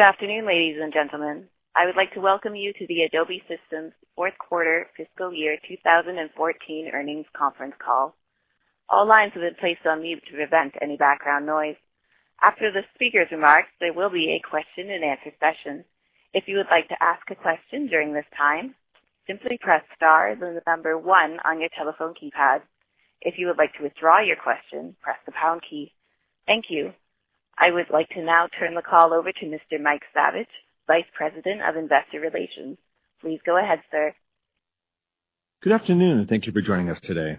Good afternoon, ladies and gentlemen. I would like to welcome you to the Adobe Systems fourth quarter fiscal year 2014 earnings conference call. All lines have been placed on mute to prevent any background noise. After the speakers' remarks, there will be a question and answer session. If you would like to ask a question during this time, simply press star, then the number 1 on your telephone keypad. If you would like to withdraw your question, press the pound key. Thank you. I would like to now turn the call over to Mr. Mike Saviage, Vice President of Investor Relations. Please go ahead, sir. Good afternoon, and thank you for joining us today.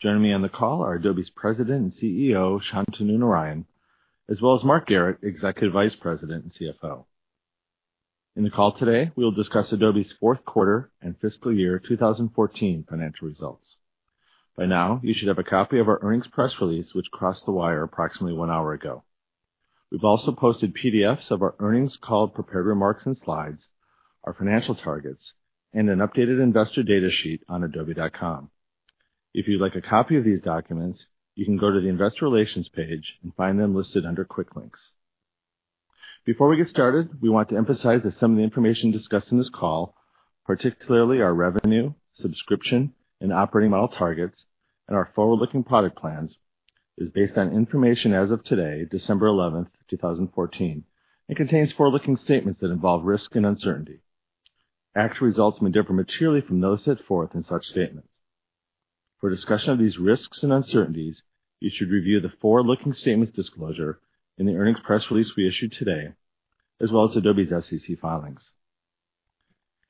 Joining me on the call are Adobe's President and CEO, Shantanu Narayen, as well as Mark Garrett, Executive Vice President and CFO. In the call today, we'll discuss Adobe's fourth quarter and fiscal year 2014 financial results. By now, you should have a copy of our earnings press release, which crossed the wire approximately one hour ago. We've also posted PDFs of our earnings call, prepared remarks, and slides, our financial targets, and an updated investor data sheet on adobe.com. If you'd like a copy of these documents, you can go to the investor relations page and find them listed under quick links. Before we get started, we want to emphasize that some of the information discussed on this call, particularly our revenue, subscription, and operating model targets and our forward-looking product plans, is based on information as of today, December 11, 2014, and contains forward-looking statements that involve risk and uncertainty. Actual results may differ materially from those set forth in such statements. For a discussion of these risks and uncertainties, you should review the forward-looking statements disclosure in the earnings press release we issued today, as well as Adobe's SEC filings.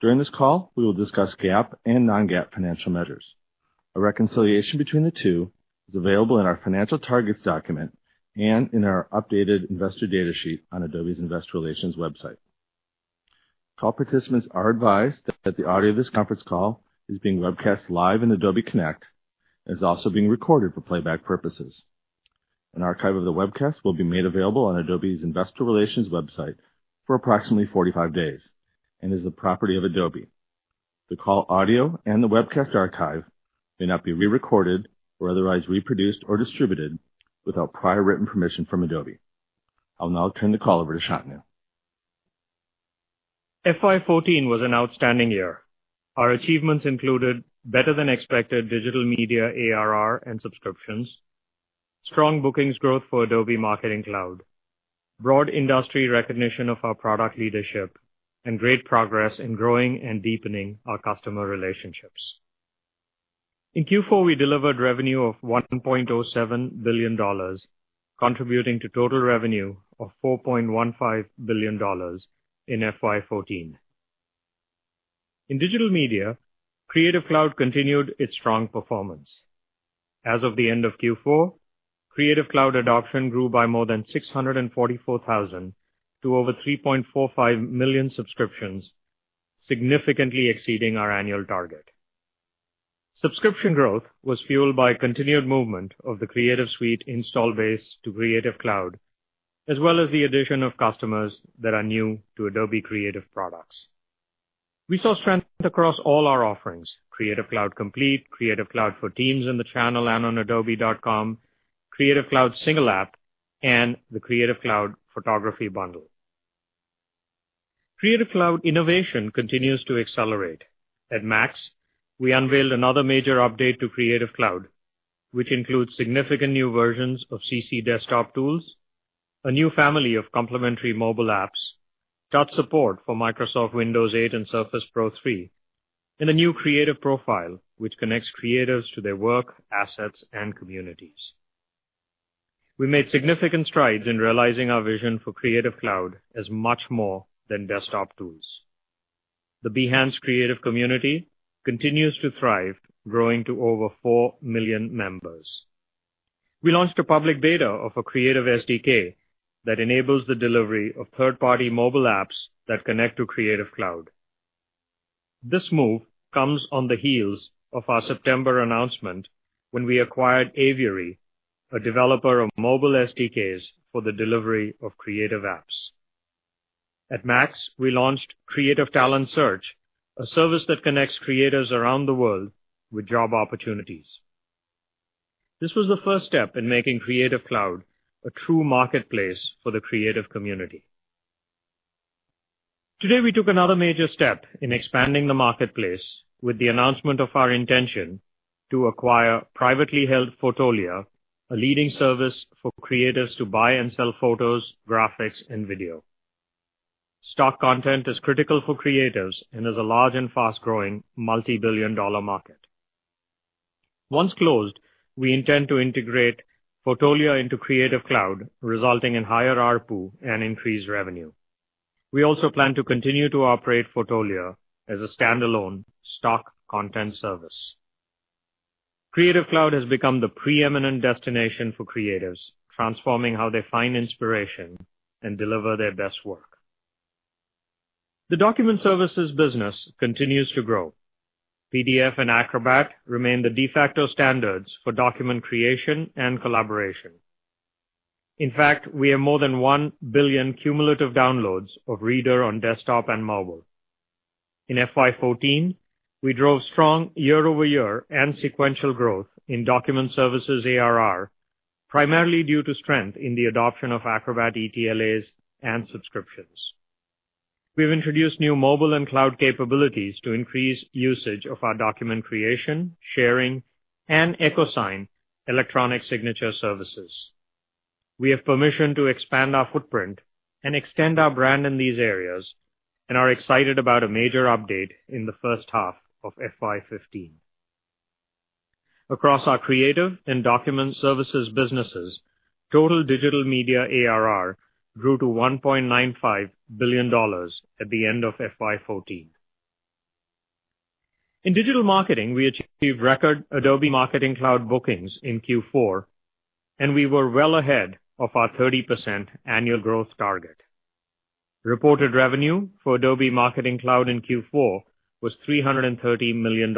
During this call, we will discuss GAAP and non-GAAP financial measures. A reconciliation between the two is available in our financial targets document and in our updated investor data sheet on Adobe's investor relations website. Call participants are advised that the audio of this conference call is being webcast live on Adobe Connect and is also being recorded for playback purposes. An archive of the webcast will be made available on Adobe's investor relations website for approximately 45 days and is the property of Adobe. The call audio and the webcast archive may not be re-recorded or otherwise reproduced or distributed without prior written permission from Adobe. I'll now turn the call over to Shantanu. FY 2014 was an outstanding year. Our achievements included better than expected Digital Media ARR and subscriptions, strong bookings growth for Adobe Marketing Cloud, broad industry recognition of our product leadership, and great progress in growing and deepening our customer relationships. In Q4, we delivered revenue of $1.07 billion, contributing to total revenue of $4.15 billion in FY 2014. In Digital Media, Creative Cloud continued its strong performance. As of the end of Q4, Creative Cloud adoption grew by more than 644,000 to over 3.45 million subscriptions, significantly exceeding our annual target. Subscription growth was fueled by continued movement of the Creative Suite install base to Creative Cloud, as well as the addition of customers that are new to Adobe Creative products. We saw strength across all our offerings, Creative Cloud Complete, Creative Cloud for teams in the channel and on adobe.com, Creative Cloud Single App, and the Creative Cloud Photography Bundle. Creative Cloud innovation continues to accelerate. At MAX, we unveiled another major update to Creative Cloud, which includes significant new versions of CC desktop tools, a new family of complementary mobile apps, touch support for Microsoft Windows 8 and Surface Pro 3, and a new creative profile which connects creatives to their work, assets, and communities. We made significant strides in realizing our vision for Creative Cloud as much more than desktop tools. The Behance creative community continues to thrive, growing to over 4 million members. We launched a public beta of a creative SDK that enables the delivery of third-party mobile apps that connect to Creative Cloud. This move comes on the heels of our September announcement when we acquired Aviary, a developer of mobile SDKs for the delivery of creative apps. At MAX, we launched Creative Talent Search, a service that connects creatives around the world with job opportunities. This was the first step in making Creative Cloud a true marketplace for the creative community. Today, we took another major step in expanding the marketplace with the announcement of our intention to acquire privately held Fotolia, a leading service for creatives to buy and sell photos, graphics, and video. Stock content is critical for creatives and is a large and fast-growing multi-billion dollar market. Once closed, we intend to integrate Fotolia into Creative Cloud, resulting in higher ARPU and increased revenue. We also plan to continue to operate Fotolia as a standalone stock content service. Creative Cloud has become the preeminent destination for creatives, transforming how they find inspiration and deliver their best work. The Document Services business continues to grow. PDF and Acrobat remain the de facto standards for document creation and collaboration. In fact, we have more than 1 billion cumulative downloads of Reader on desktop and mobile. In FY 2014, we drove strong year-over-year and sequential growth in Document Services ARR, primarily due to strength in the adoption of Acrobat ETLAs and subscriptions. We've introduced new mobile and cloud capabilities to increase usage of our document creation, sharing, and EchoSign electronic signature services. We have permission to expand our footprint and extend our brand in these areas and are excited about a major update in the first half of FY 2015. Across our creative and document services businesses, total Digital Media ARR grew to $1.95 billion at the end of FY 2014. In digital marketing, we achieved record Adobe Marketing Cloud bookings in Q4, and we were well ahead of our 30% annual growth target. Reported revenue for Adobe Marketing Cloud in Q4 was $330 million.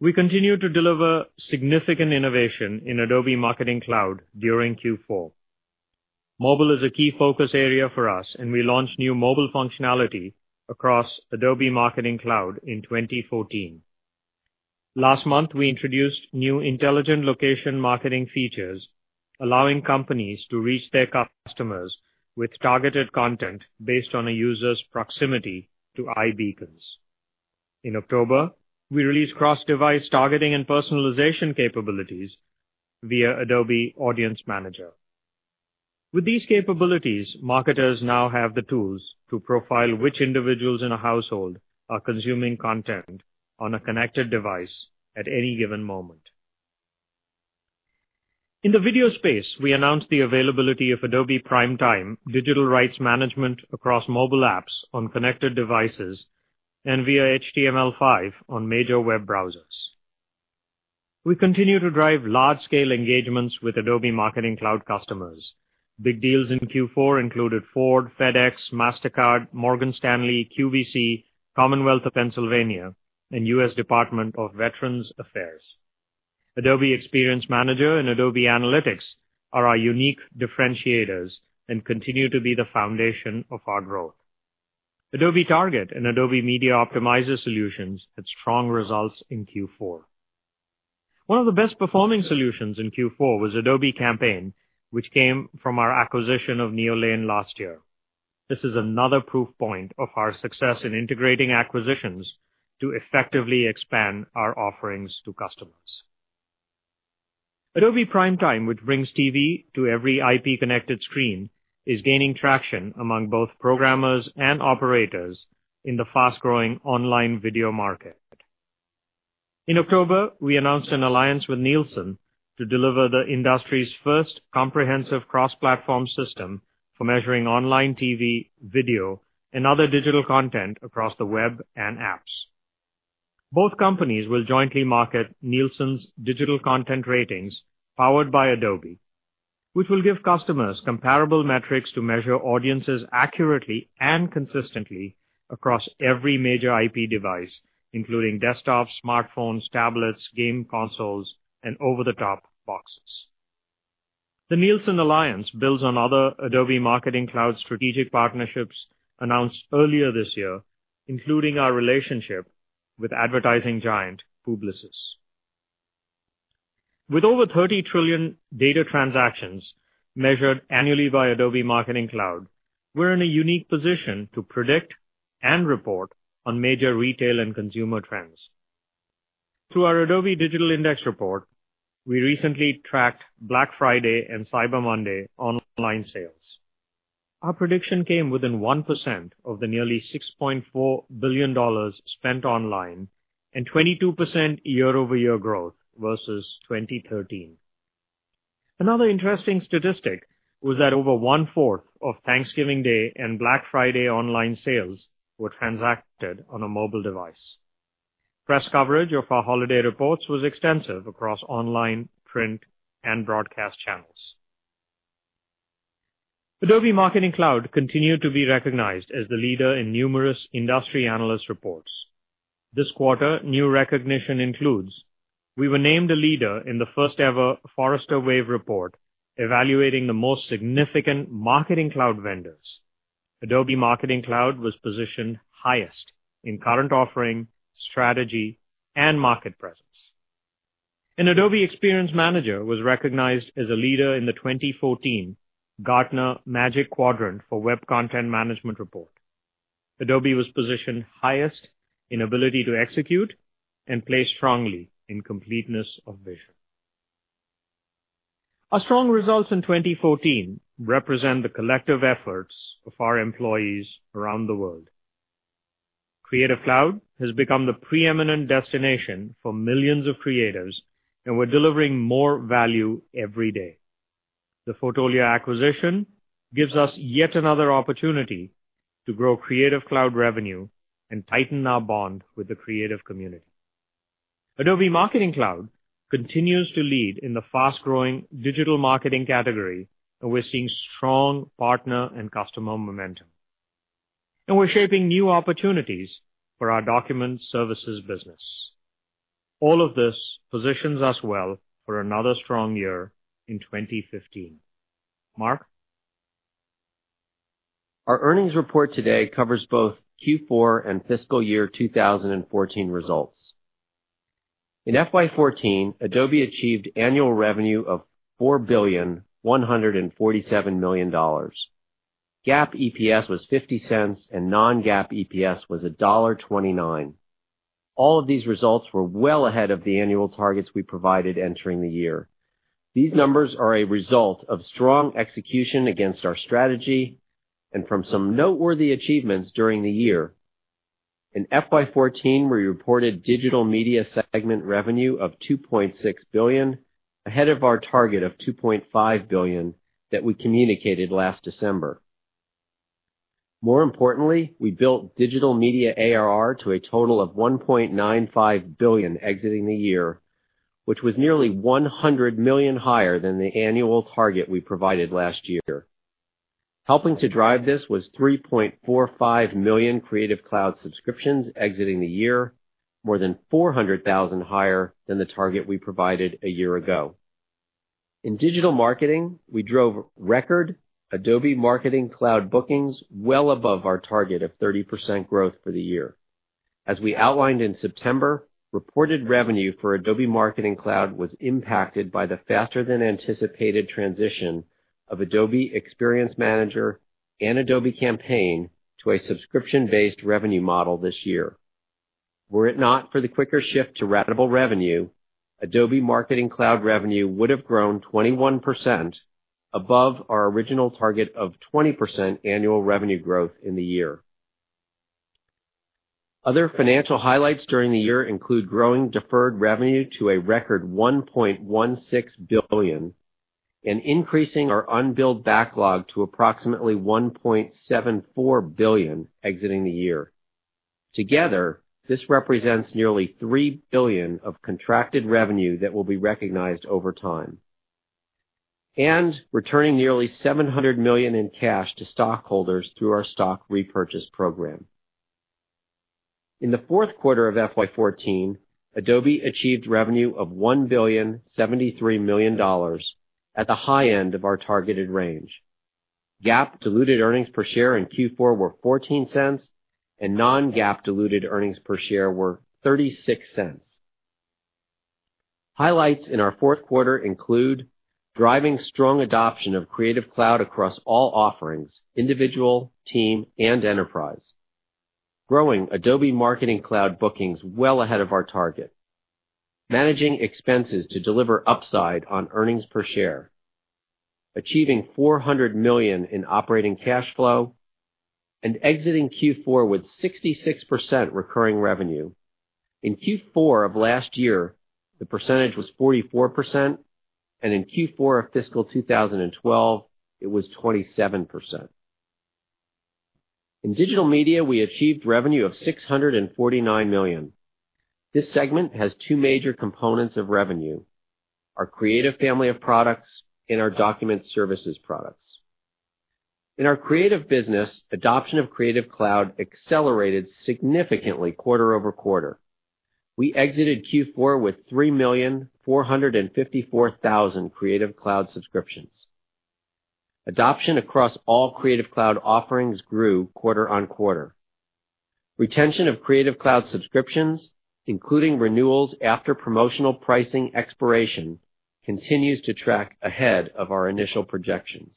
We continued to deliver significant innovation in Adobe Marketing Cloud during Q4. Mobile is a key focus area for us, and we launched new mobile functionality across Adobe Marketing Cloud in 2014. Last month, we introduced new intelligent location marketing features, allowing companies to reach their customers with targeted content based on a user's proximity to iBeacons. In October, we released cross-device targeting and personalization capabilities via Adobe Audience Manager. With these capabilities, marketers now have the tools to profile which individuals in a household are consuming content on a connected device at any given moment. In the video space, we announced the availability of Adobe Primetime digital rights management across mobile apps on connected devices and via HTML5 on major web browsers. We continue to drive large-scale engagements with Adobe Marketing Cloud customers. Big deals in Q4 included Ford, FedEx, Mastercard, Morgan Stanley, QVC, Commonwealth of Pennsylvania, and U.S. Department of Veterans Affairs. Adobe Experience Manager and Adobe Analytics are our unique differentiators and continue to be the foundation of our growth. Adobe Target and Adobe Media Optimizer solutions had strong results in Q4. One of the best-performing solutions in Q4 was Adobe Campaign, which came from our acquisition of Neolane last year. This is another proof point of our success in integrating acquisitions to effectively expand our offerings to customers. Adobe Primetime, which brings TV to every IP-connected screen, is gaining traction among both programmers and operators in the fast-growing online video market. In October, we announced an alliance with Nielsen to deliver the industry's first comprehensive cross-platform system for measuring online TV, video, and other digital content across the web and apps. Both companies will jointly market Nielsen Digital Content Ratings powered by Adobe, which will give customers comparable metrics to measure audiences accurately and consistently across every major IP device, including desktops, smartphones, tablets, game consoles, and over-the-top boxes. The Nielsen alliance builds on other Adobe Marketing Cloud strategic partnerships announced earlier this year, including our relationship with advertising giant Publicis. With over 30 trillion data transactions measured annually by Adobe Marketing Cloud, we're in a unique position to predict and report on major retail and consumer trends. Through our Adobe Digital Index report, we recently tracked Black Friday and Cyber Monday online sales. Our prediction came within 1% of the nearly $6.4 billion spent online and 22% year-over-year growth versus 2013. Another interesting statistic was that over one-fourth of Thanksgiving Day and Black Friday online sales were transacted on a mobile device. Press coverage of our holiday reports was extensive across online, print, and broadcast channels. Adobe Marketing Cloud continued to be recognized as the leader in numerous industry analyst reports. This quarter, new recognition includes we were named a leader in the first-ever Forrester Wave report evaluating the most significant Marketing Cloud vendors. Adobe Marketing Cloud was positioned highest in current offering, strategy, and market presence. Adobe Experience Manager was recognized as a leader in the 2014 Gartner Magic Quadrant for Web Content Management report. Adobe was positioned highest in ability to execute and placed strongly in completeness of vision. Our strong results in 2014 represent the collective efforts of our employees around the world. Creative Cloud has become the preeminent destination for millions of creatives, and we're delivering more value every day. The Fotolia acquisition gives us yet another opportunity to grow Creative Cloud revenue and tighten our bond with the creative community. Adobe Marketing Cloud continues to lead in the fast-growing digital marketing category, and we're seeing strong partner and customer momentum. We're shaping new opportunities for our document services business. All of this positions us well for another strong year in 2015. Mark? Our earnings report today covers both Q4 and fiscal year 2014 results. In FY 2014, Adobe achieved annual revenue of $4.147 billion. GAAP EPS was $0.50, and non-GAAP EPS was $1.29. All of these results were well ahead of the annual targets we provided entering the year. These numbers are a result of strong execution against our strategy and from some noteworthy achievements during the year. In FY 2014, we reported Digital Media segment revenue of $2.6 billion, ahead of our target of $2.5 billion that we communicated last December. More importantly, we built Digital Media ARR to a total of $1.95 billion exiting the year, which was nearly $100 million higher than the annual target we provided last year. Helping to drive this was 3.45 million Creative Cloud subscriptions exiting the year, more than 400,000 higher than the target we provided a year ago. In digital marketing, we drove record Adobe Marketing Cloud bookings well above our target of 30% growth for the year. As we outlined in September, reported revenue for Adobe Marketing Cloud was impacted by the faster than anticipated transition of Adobe Experience Manager and Adobe Campaign to a subscription-based revenue model this year. Were it not for the quicker shift to ratable revenue, Adobe Marketing Cloud revenue would have grown 21% above our original target of 20% annual revenue growth in the year. Other financial highlights during the year include growing deferred revenue to a record $1.16 billion and increasing our unbilled backlog to approximately $1.74 billion exiting the year. Together, this represents nearly $3 billion of contracted revenue that will be recognized over time. Returning nearly $700 million in cash to stockholders through our stock repurchase program. In the fourth quarter of FY 2014, Adobe achieved revenue of $1.073 billion at the high end of our targeted range. GAAP diluted earnings per share in Q4 were $0.14, and non-GAAP diluted earnings per share were $0.36. Highlights in our fourth quarter include driving strong adoption of Creative Cloud across all offerings, individual, team, and enterprise. Growing Adobe Marketing Cloud bookings well ahead of our target. Managing expenses to deliver upside on earnings per share. Achieving $400 million in operating cash flow, and exiting Q4 with 66% recurring revenue. In Q4 of last year, the percentage was 44%, and in Q4 of fiscal 2012, it was 27%. In Digital Media, we achieved revenue of $649 million. This segment has two major components of revenue, our Creative family of products and our Document Services products. In our creative business, adoption of Creative Cloud accelerated significantly quarter-over-quarter. We exited Q4 with 3,454,000 Creative Cloud subscriptions. Adoption across all Creative Cloud offerings grew quarter-over-quarter. Retention of Creative Cloud subscriptions, including renewals after promotional pricing expiration, continues to track ahead of our initial projections.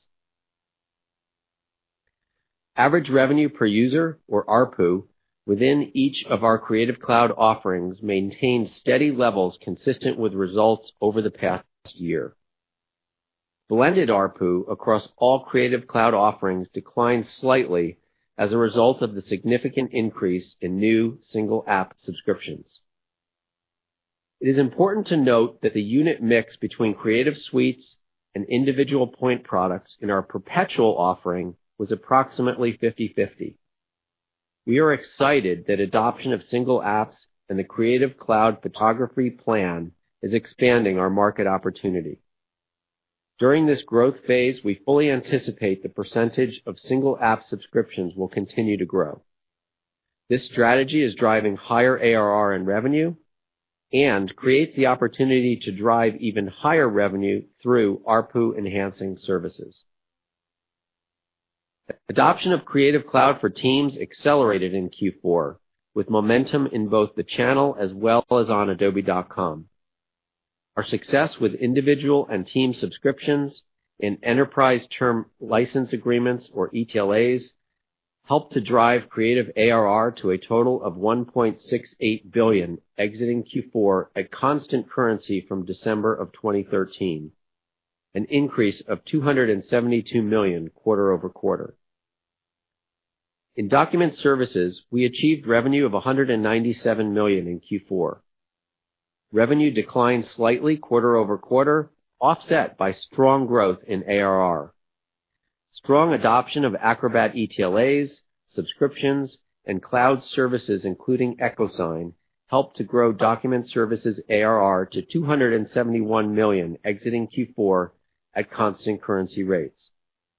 Average revenue per user, or ARPU, within each of our Creative Cloud offerings maintained steady levels consistent with results over the past year. Blended ARPU across all Creative Cloud offerings declined slightly as a result of the significant increase in new single app subscriptions. It is important to note that the unit mix between Creative Suites and individual point products in our perpetual offering was approximately 50/50. We are excited that adoption of single apps and the Creative Cloud Photography plan is expanding our market opportunity. During this growth phase, we fully anticipate the percentage of single app subscriptions will continue to grow. This strategy is driving higher ARR and revenue and creates the opportunity to drive even higher revenue through ARPU-enhancing services. Adoption of Creative Cloud for teams accelerated in Q4, with momentum in both the channel as well as on adobe.com. Our success with individual and team subscriptions and enterprise term license agreements, or ETLAs, helped to drive creative ARR to a total of $1.68 billion exiting Q4 at constant currency from December 2013, an increase of $272 million quarter-over-quarter. In Document Services, we achieved revenue of $197 million in Q4. Revenue declined slightly quarter-over-quarter, offset by strong growth in ARR. Strong adoption of Acrobat ETLAs, subscriptions, and cloud services, including EchoSign, helped to grow Document Services ARR to $271 million exiting Q4 at constant currency rates.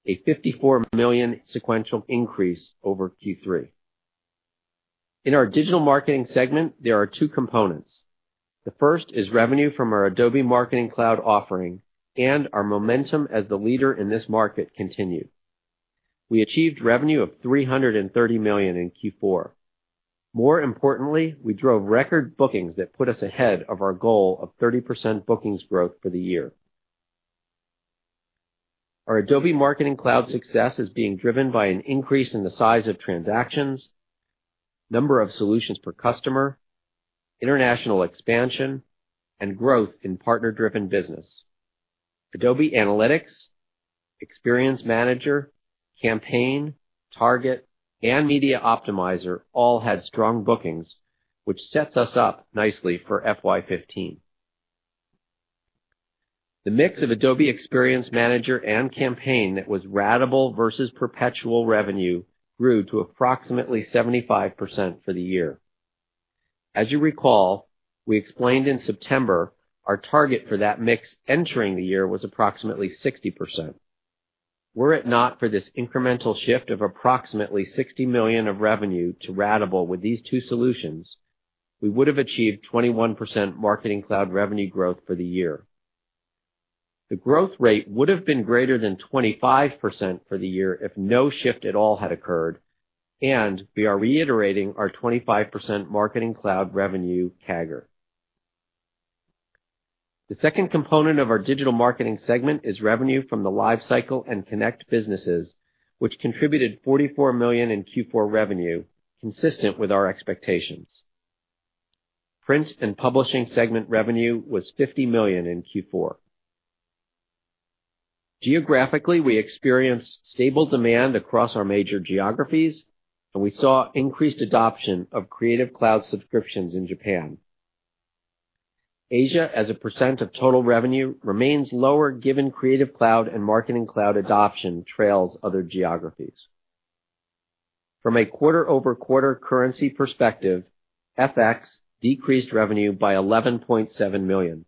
A $54 million sequential increase over Q3. In our Digital Marketing segment, there are two components. Our momentum as the leader in this market continued. We achieved revenue of $330 million in Q4. More importantly, we drove record bookings that put us ahead of our goal of 30% bookings growth for the year. Our Adobe Marketing Cloud success is being driven by an increase in the size of transactions, number of solutions per customer, international expansion, and growth in partner-driven business. Adobe Analytics, Adobe Experience Manager, Adobe Campaign, Adobe Target, and Adobe Media Optimizer all had strong bookings, which sets us up nicely for FY 2015. The mix of Adobe Experience Manager and Adobe Campaign that was ratable versus perpetual revenue grew to approximately 75% for the year. As you recall, we explained in September our target for that mix entering the year was approximately 60%. Were it not for this incremental shift of approximately $60 million of revenue to ratable with these two solutions, we would have achieved 21% Marketing Cloud revenue growth for the year. The growth rate would have been greater than 25% for the year if no shift at all had occurred, we are reiterating our 25% Marketing Cloud revenue CAGR. The second component of our Digital Marketing segment is revenue from the Customer Lifecycle and Adobe Connect businesses, which contributed $44 million in Q4 revenue, consistent with our expectations. Print and Publishing segment revenue was $50 million in Q4. Geographically, we experienced stable demand across our major geographies, we saw increased adoption of Creative Cloud subscriptions in Japan. Asia, as a percent of total revenue, remains lower given Creative Cloud and Marketing Cloud adoption trails other geographies. From a quarter-over-quarter currency perspective, FX decreased revenue by $11.7 million.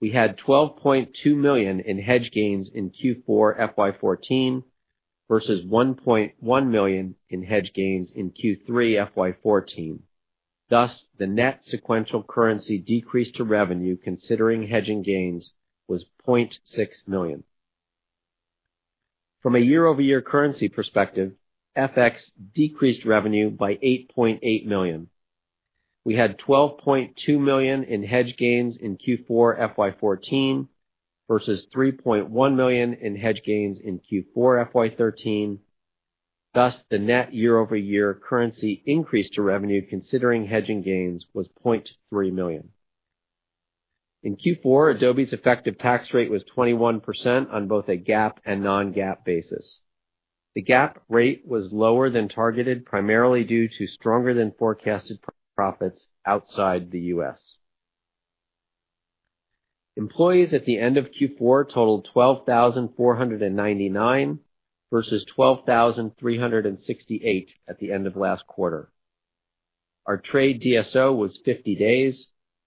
We had $12.2 million in hedge gains in Q4 FY 2014 versus $1.1 million in hedge gains in Q3 FY 2014. Thus, the net sequential currency decrease to revenue considering hedging gains was $0.6 million. From a year-over-year currency perspective, FX decreased revenue by $8.8 million. We had $12.2 million in hedge gains in Q4 FY 2014 versus $3.1 million in hedge gains in Q4 FY 2013. Thus, the net year-over-year currency increase to revenue considering hedging gains was $0.3 million. In Q4, Adobe's effective tax rate was 21% on both a GAAP and non-GAAP basis. The GAAP rate was lower than targeted, primarily due to stronger than forecasted profits outside the U.S. Employees at the end of Q4 totaled 12,499 versus 12,368 at the end of last quarter. Our trade DSO was 50 days,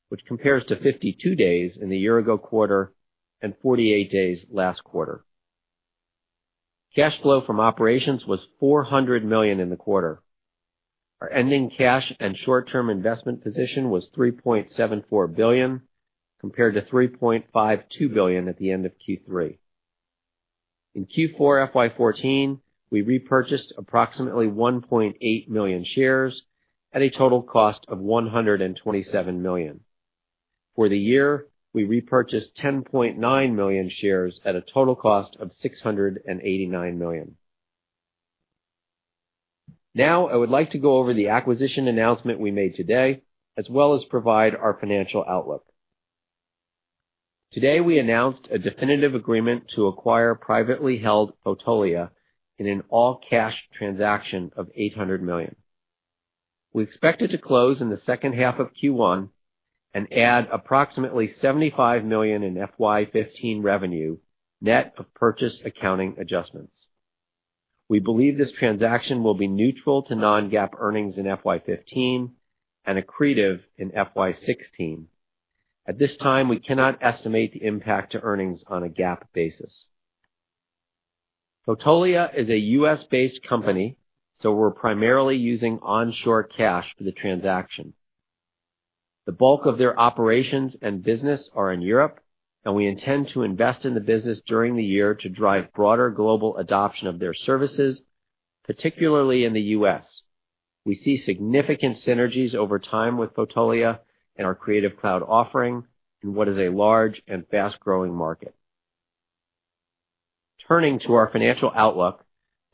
which compares to 52 days in the year-ago quarter and 48 days last quarter. I would like to go over the acquisition announcement we made today, as well as provide our financial outlook. Cash flow from operations was $400 million in the quarter. Our ending cash and short-term investment position was $3.74 billion, compared to $3.52 billion at the end of Q3. In Q4 FY 2014, we repurchased approximately 1.8 million shares at a total cost of $127 million. For the year, we repurchased 10.9 million shares at a total cost of $689 million. We announced a definitive agreement to acquire privately held Fotolia in an all-cash transaction of $800 million. We expect it to close in the second half of Q1 and add approximately $75 million in FY 2015 revenue, net of purchase accounting adjustments. We believe this transaction will be neutral to non-GAAP earnings in FY 2015 and accretive in FY 2016. At this time, we cannot estimate the impact to earnings on a GAAP basis. Fotolia is a U.S.-based company, so we're primarily using onshore cash for the transaction. The bulk of their operations and business are in Europe, and we intend to invest in the business during the year to drive broader global adoption of their services, particularly in the U.S. We see significant synergies over time with Fotolia and our Creative Cloud offering in what is a large and fast-growing market. The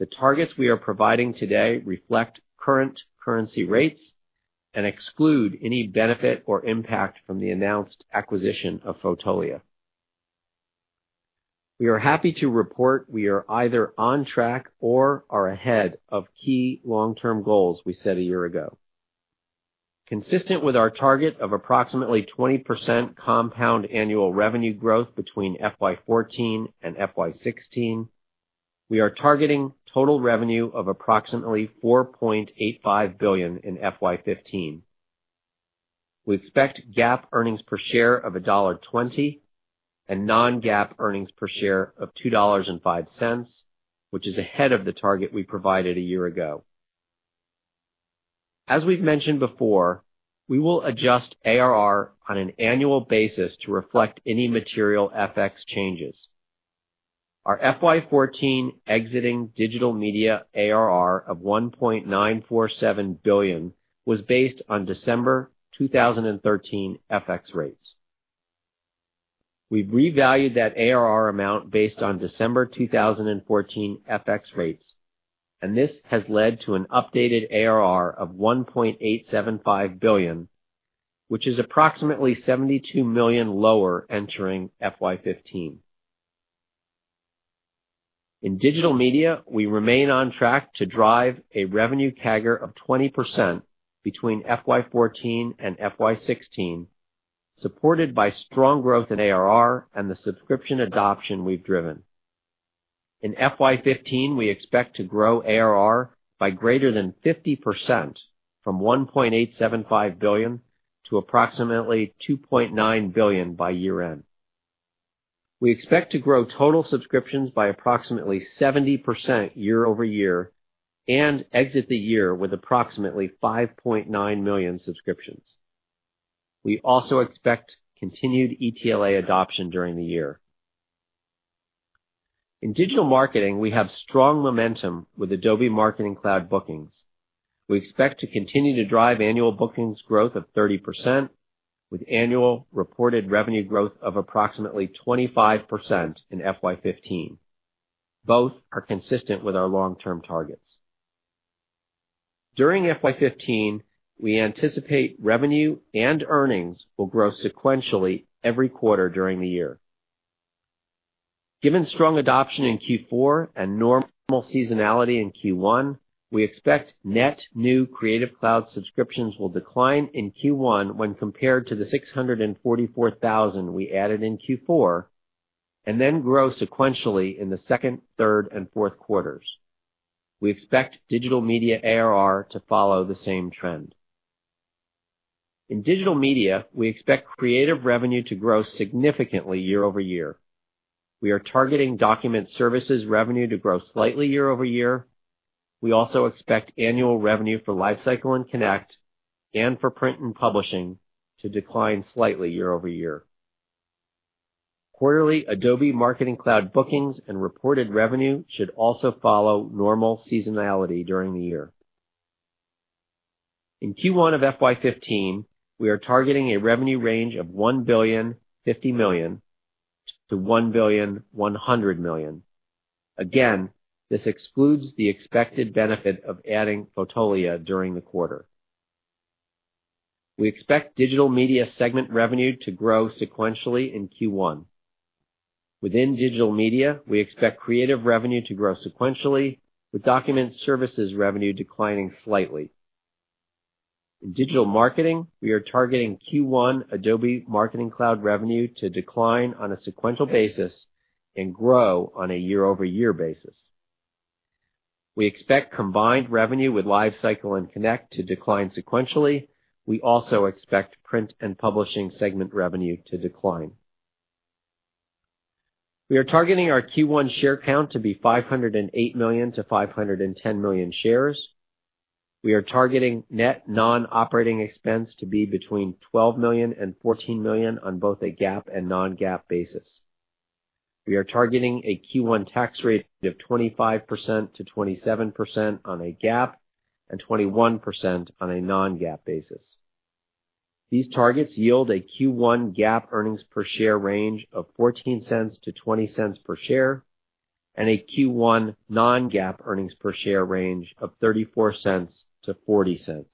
targets we are providing today reflect current currency rates and exclude any benefit or impact from the announced acquisition of Fotolia. We are happy to report we are either on track or are ahead of key long-term goals we set a year ago. Consistent with our target of approximately 20% compound annual revenue growth between FY 2014 and FY 2016, we are targeting total revenue of approximately $4.85 billion in FY 2015. We expect GAAP earnings per share of $1.20 and non-GAAP earnings per share of $2.05, which is ahead of the target we provided a year ago. We will adjust ARR on an annual basis to reflect any material FX changes. Our FY 2014 exiting Digital Media ARR of $1.947 billion was based on December 2013 FX rates. We've revalued that ARR amount based on December 2014 FX rates, and this has led to an updated ARR of $1.875 billion, which is approximately $72 million lower entering FY 2015. In Digital Media, we remain on track to drive a revenue CAGR of 20% between FY 2014 and FY 2016, supported by strong growth in ARR and the subscription adoption we've driven. In FY 2015, we expect to grow ARR by greater than 50%, from $1.875 billion to approximately $2.9 billion by year-end. We expect to grow total subscriptions by approximately 70% year-over-year and exit the year with approximately 5.9 million subscriptions. We also expect continued ETLA adoption during the year. In digital marketing, we have strong momentum with Adobe Marketing Cloud bookings. We expect to continue to drive annual bookings growth of 30%, with annual reported revenue growth of approximately 25% in FY 2015. Both are consistent with our long-term targets. During FY 2015, we anticipate revenue and earnings will grow sequentially every quarter during the year. Given strong adoption in Q4 and normal seasonality in Q1, we expect net new Creative Cloud subscriptions will decline in Q1 when compared to the 644,000 we added in Q4, and then grow sequentially in the second, third, and fourth quarters. We expect Digital Media ARR to follow the same trend. In Digital Media, we expect Creative revenue to grow significantly year-over-year. We are targeting Document Services revenue to grow slightly year-over-year. We also expect annual revenue for Lifecycle and Connect and for Print and Publishing to decline slightly year-over-year. Quarterly Adobe Marketing Cloud bookings and reported revenue should also follow normal seasonality during the year. In Q1 of FY 2015, we are targeting a revenue range of $1.050 billion-$1.100 billion. Again, this excludes the expected benefit of adding Fotolia during the quarter. We expect Digital Media segment revenue to grow sequentially in Q1. Within Digital Media, we expect Creative revenue to grow sequentially, with Document Services revenue declining slightly. In digital marketing, we are targeting Q1 Adobe Marketing Cloud revenue to decline on a sequential basis and grow on a year-over-year basis. We expect combined revenue with Lifecycle and Connect to decline sequentially. We also expect Print and Publishing segment revenue to decline. We are targeting our Q1 share count to be 508 million-510 million shares. We are targeting net non-operating expense to be between $12 million and $14 million on both a GAAP and non-GAAP basis. We are targeting a Q1 tax rate of 25%-27% on a GAAP and 21% on a non-GAAP basis. These targets yield a Q1 GAAP earnings per share range of $0.14-$0.20 per share and a Q1 non-GAAP earnings per share range of $0.34-$0.40.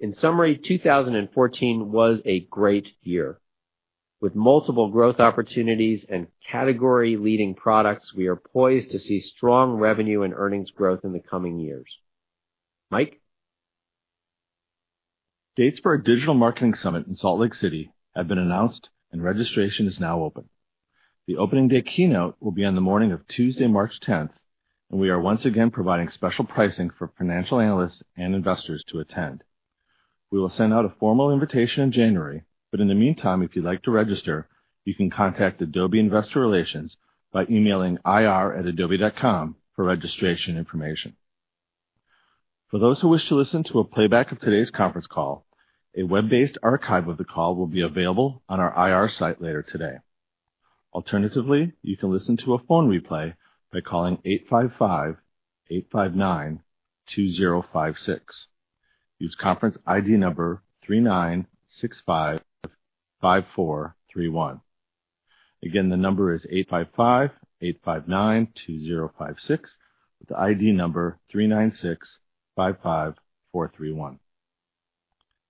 In summary, 2014 was a great year. With multiple growth opportunities and category-leading products, we are poised to see strong revenue and earnings growth in the coming years. Mike? Dates for our Digital Marketing Summit in Salt Lake City have been announced, and registration is now open. The opening day keynote will be on the morning of Tuesday, March 10th, we are once again providing special pricing for financial analysts and investors to attend. We will send out a formal invitation in January, but in the meantime, if you'd like to register, you can contact Adobe Investor Relations by emailing ir@adobe.com for registration information. For those who wish to listen to a playback of today's conference call, a web-based archive of the call will be available on our IR site later today. Alternatively, you can listen to a phone replay by calling 855-859-2056. Use conference ID number 39655431. Again, the number is 855-859-2056 with the ID number 39655431.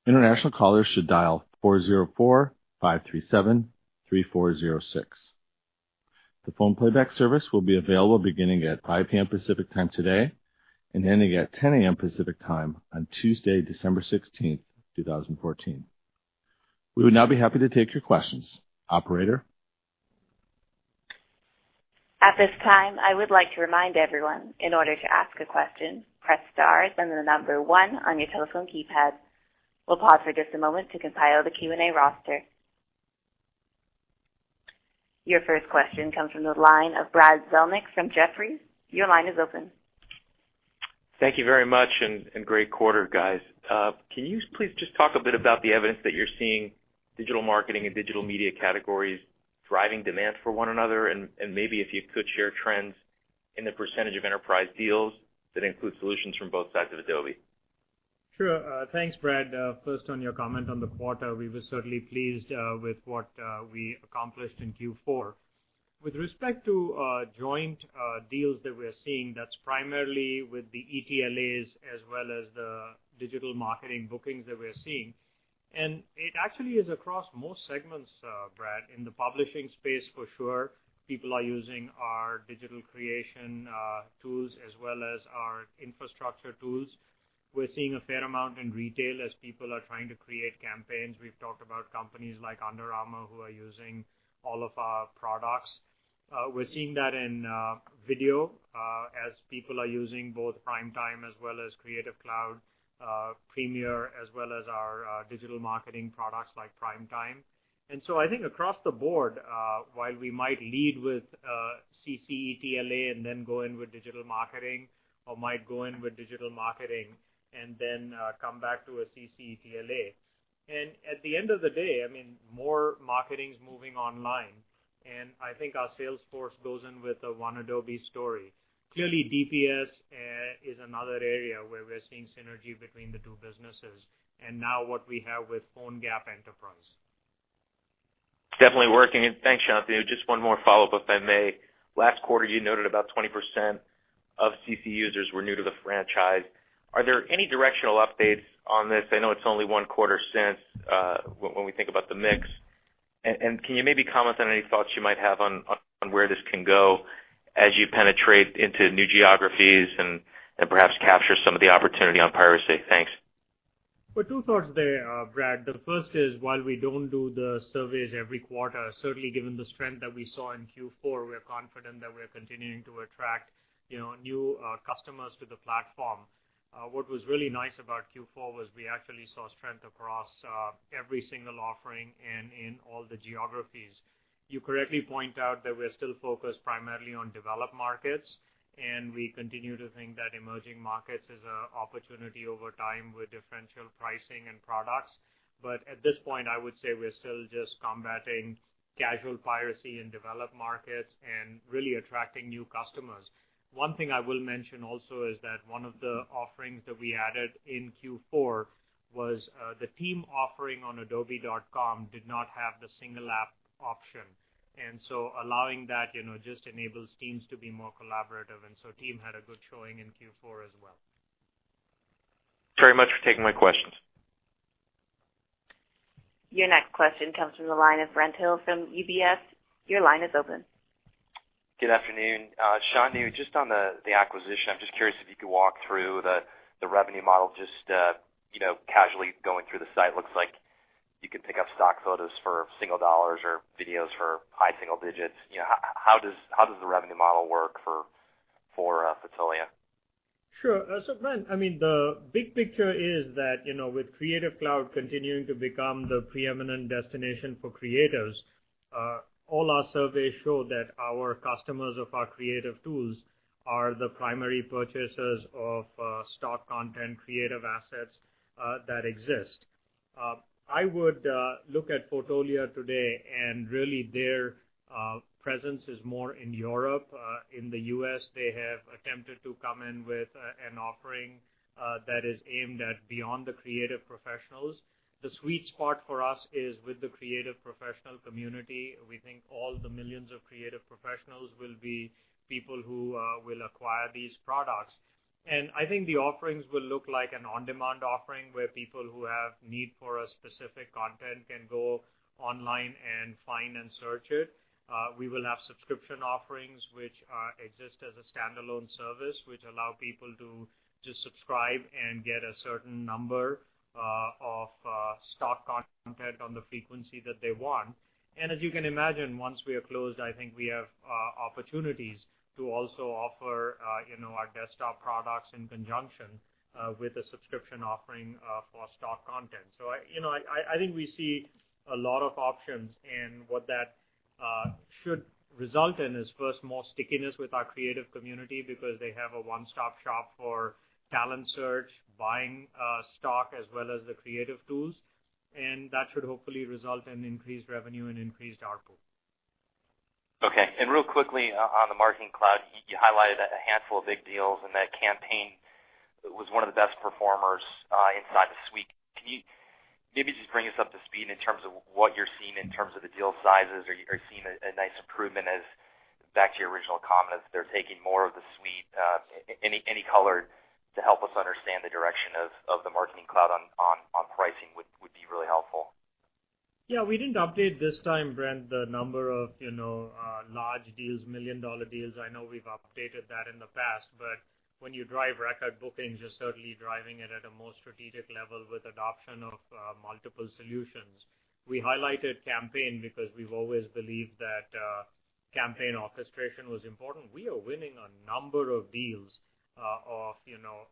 International callers should dial 404-537-3406. The phone playback service will be available beginning at 5:00 P.M. Pacific Time today and ending at 10:00 A.M. Pacific Time on Tuesday, December 16th, 2014. We would now be happy to take your questions. Operator At this time, I would like to remind everyone, in order to ask a question, press star, then the number one on your telephone keypad. We'll pause for just a moment to compile the Q&A roster. Your first question comes from the line of Brad Zelnick from Jefferies. Your line is open. Thank you very much. Great quarter, guys. Can you please just talk a bit about the evidence that you're seeing digital marketing and Digital Media categories driving demand for one another? Maybe if you could share trends in the percentage of enterprise deals that include solutions from both sides of Adobe. Sure. Thanks, Brad. First, on your comment on the quarter, we were certainly pleased with what we accomplished in Q4. With respect to joint deals that we're seeing, that's primarily with the ETLAs as well as the digital marketing bookings that we're seeing. It actually is across most segments, Brad. In the publishing space, for sure, people are using our digital creation tools as well as our infrastructure tools. We're seeing a fair amount in retail as people are trying to create campaigns. We've talked about companies like Under Armour who are using all of our products. We're seeing that in video as people are using both Primetime as well as Creative Cloud Premiere, as well as our digital marketing products like Primetime. I think across the board, while we might lead with CC ETLA and then go in with digital marketing, or might go in with digital marketing and then come back to a CC ETLA. At the end of the day, more marketing's moving online, I think our sales force goes in with a one Adobe story. Clearly, DPS is another area where we're seeing synergy between the two businesses now what we have with PhoneGap Enterprise. It's definitely working. Thanks, Shantanu. Just one more follow-up, if I may. Last quarter, you noted about 20% of CC users were new to the franchise. Are there any directional updates on this? I know it's only one quarter since, when we think about the mix. Can you maybe comment on any thoughts you might have on where this can go as you penetrate into new geographies and perhaps capture some of the opportunity on piracy? Thanks. Well, two thoughts there, Brad. The first is, while we don't do the surveys every quarter, certainly given the strength that we saw in Q4, we are confident that we are continuing to attract new customers to the platform. What was really nice about Q4 was we actually saw strength across every single offering and in all the geographies. You correctly point out that we're still focused primarily on developed markets, we continue to think that emerging markets is an opportunity over time with differential pricing and products. At this point, I would say we're still just combating casual piracy in developed markets and really attracting new customers. One thing I will mention also is that one of the offerings that we added in Q4 was the Team offering on adobe.com did not have the single-app option. Allowing that just enables teams to be more collaborative, so Team had a good showing in Q4 as well. Thank you very much for taking my questions. Your next question comes from the line of Brent Thill from UBS. Your line is open. Good afternoon. Shantanu, just on the acquisition, I'm just curious if you could walk through the revenue model. Just casually going through the site, looks like you can pick up stock photos for single dollars or videos for high single digits. How does the revenue model work for Fotolia? Sure. Brent, the big picture is that with Creative Cloud continuing to become the preeminent destination for creatives, all our surveys show that our customers of our creative tools are the primary purchasers of stock content, creative assets that exist. I would look at Fotolia today, really, their presence is more in Europe. In the U.S., they have attempted to come in with an offering that is aimed at beyond the creative professionals. The sweet spot for us is with the creative professional community. We think all the millions of creative professionals will be people who will acquire these products. I think the offerings will look like an on-demand offering, where people who have need for a specific content can go online and find and search it. We will have subscription offerings which exist as a standalone service, which allow people to just subscribe and get a certain number of stock content on the frequency that they want. As you can imagine, once we are closed, I think we have opportunities to also offer our desktop products in conjunction with a subscription offering for stock content. I think we see a lot of options, and what that should result in is, first, more stickiness with our creative community because they have a one-stop shop for Talent Search, buying stock, as well as the creative tools. That should hopefully result in increased revenue and increased output. Okay. Real quickly on the Marketing Cloud, you highlighted a handful of big deals, and that Campaign was one of the best performers inside the suite. Can you maybe just bring us up to speed in terms of what you're seeing in terms of the deal sizes? Are you seeing a nice improvement as, back to your original comment, as they're taking more of the suite? Any color to help us understand the direction of the Marketing Cloud on pricing would be really helpful. Yeah. We didn't update this time, Brent, the number of large deals, million-dollar deals. When you drive record bookings, you're certainly driving it at a more strategic level with adoption of multiple solutions. We highlighted Campaign because we've always believed that Campaign orchestration was important. We are winning a number of deals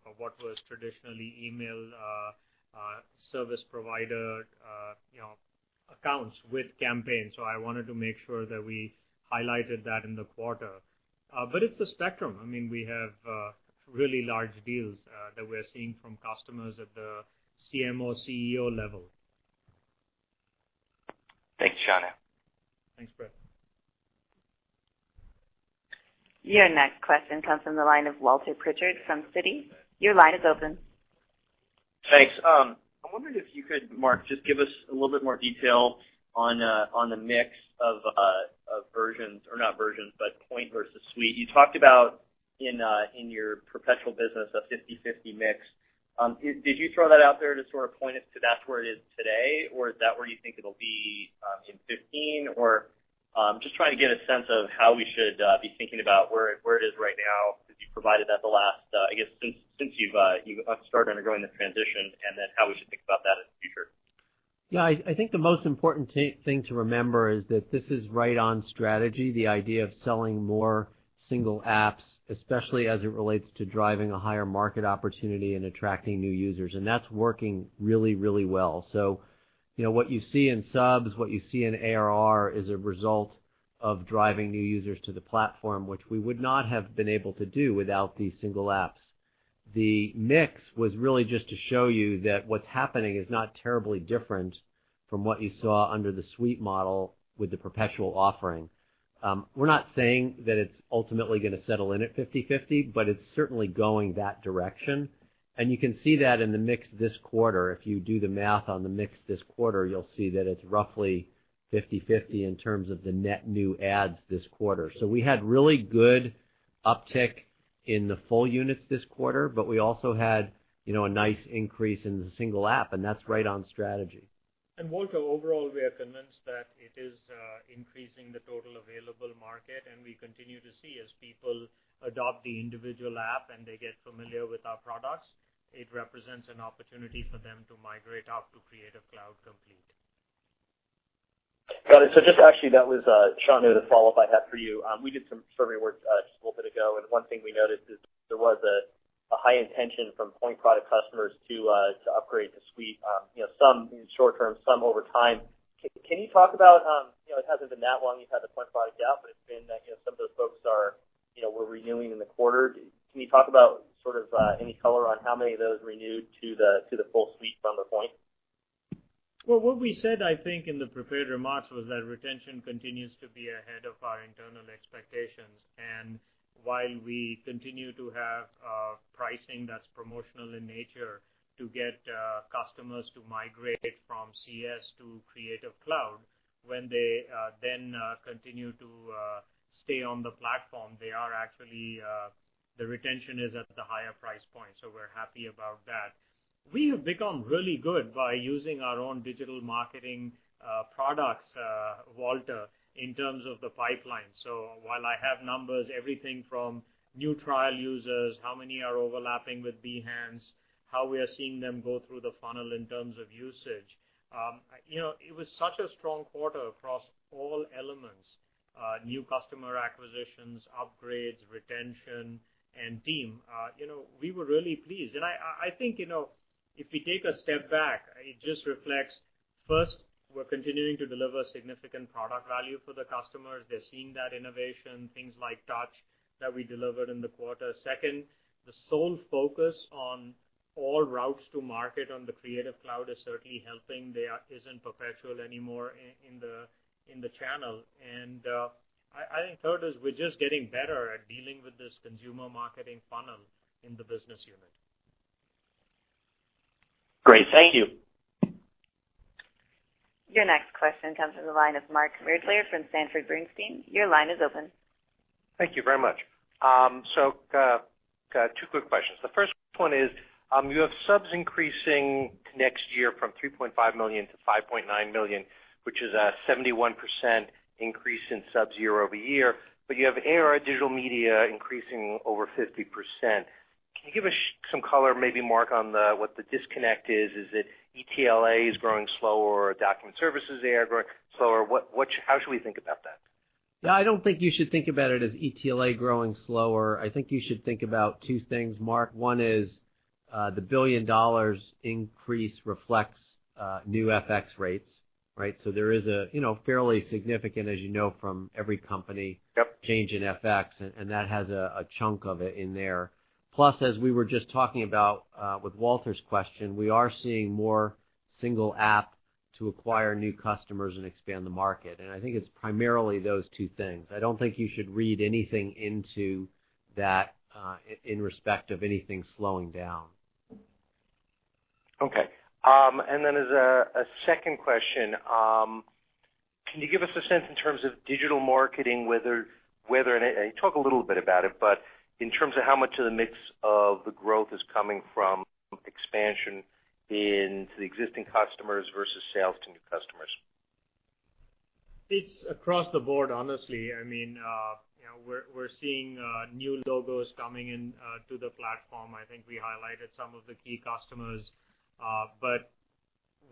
of what was traditionally email service provider accounts with Campaigns. I wanted to make sure that we highlighted that in the quarter. It's a spectrum. We have really large deals that we're seeing from customers at the CMO, CEO level. Thanks, Shantanu. Thanks, Brent. Your next question comes from the line of Walter Pritchard from Citi. Your line is open. Thanks. I'm wondering if you could, Mark, just give us a little bit more detail on the mix of versions, or not versions, but Point versus Suite. You talked about, in your perpetual business, a 50/50 mix. Did you throw that out there to sort of point us to that's where it is today, or is that where you think it'll be in 2015? Then how we should think about where it is right now, because you've provided that the last, I guess, since you've started undergoing the transition, and then how we should think about that in the future. Yeah, I think the most important thing to remember is that this is right on strategy, the idea of selling more single apps, especially as it relates to driving a higher market opportunity and attracting new users. That's working really well. What you see in subs, what you see in ARR is a result of driving new users to the platform, which we would not have been able to do without these single apps. The mix was really just to show you that what's happening is not terribly different from what you saw under the Suite model with the perpetual offering. We're not saying that it's ultimately going to settle in at 50/50, but it's certainly going that direction, and you can see that in the mix this quarter. If you do the math on the mix this quarter, you'll see that it's roughly 50/50 in terms of the net new adds this quarter. We had really good uptick in the full units this quarter, we also had a nice increase in the single app, and that's right on strategy. Walter, overall, we are convinced that it is increasing the total available market, and we continue to see as people adopt the individual app and they get familiar with our products, it represents an opportunity for them to migrate up to Creative Cloud Complete. Got it. Just actually, that was, Shantanu, the follow-up I had for you. We did some survey work just a little bit ago, and one thing we noticed is there was a high intention from Point product customers to upgrade to Suite. Some in short term, some over time. Can you talk about, it hasn't been that long you've had the Point product out, but it's been that some of those folks were renewing in the quarter. Can you talk about sort of any color on how many of those renewed to the full Suite from the Point? Well, what we said, I think, in the prepared remarks was that retention continues to be ahead of our internal expectations. While we continue to have pricing that's promotional in nature to get customers to migrate from CS to Creative Cloud, when they then continue to stay on the platform, they are actually, the retention is at the higher price point. We're happy about that. We have become really good by using our own digital marketing products, Walter, in terms of the pipeline. While I have numbers, everything from new trial users, how many are overlapping with Behance, how we are seeing them go through the funnel in terms of usage. It was such a strong quarter across all elements, new customer acquisitions, upgrades, retention, and team. We were really pleased. I think, if we take a step back, it just reflects first, we're continuing to deliver significant product value for the customers. They're seeing that innovation, things like Touch that we delivered in the quarter. Second, the sole focus on all routes to market on the Creative Cloud is certainly helping. There isn't perpetual anymore in the channel. I think third is we're just getting better at dealing with this consumer marketing funnel in the business unit. Great. Thank you. Your next question comes from the line of Mark Moerdler from Sanford Bernstein. Your line is open. Thank you very much. Two quick questions. The first one is, you have subs increasing next year from 3.5 million to 5.9 million, which is a 71% increase in subs year-over-year. You have ARR Digital Media increasing over 50%. Can you give us some color, maybe, Mark, on what the disconnect is? Is it ETLA is growing slower or document services there are growing slower? How should we think about that? No, I don't think you should think about it as ETLA growing slower. I think you should think about two things, Mark. One is, the $1 billion increase reflects new FX rates, right? There is a fairly significant, as you know from every company Yep change in FX, that has a chunk of it in there. Plus, as we were just talking about with Walter's question, we are seeing more single app to acquire new customers and expand the market. I think it's primarily those two things. I don't think you should read anything into that in respect of anything slowing down. Okay. Then as a second question, can you give us a sense in terms of Digital Marketing, whether, you talk a little bit about it, but in terms of how much of the mix of the growth is coming from expansion into the existing customers versus sales to new customers? It's across the board, honestly. We're seeing new logos coming into the platform. I think we highlighted some of the key customers.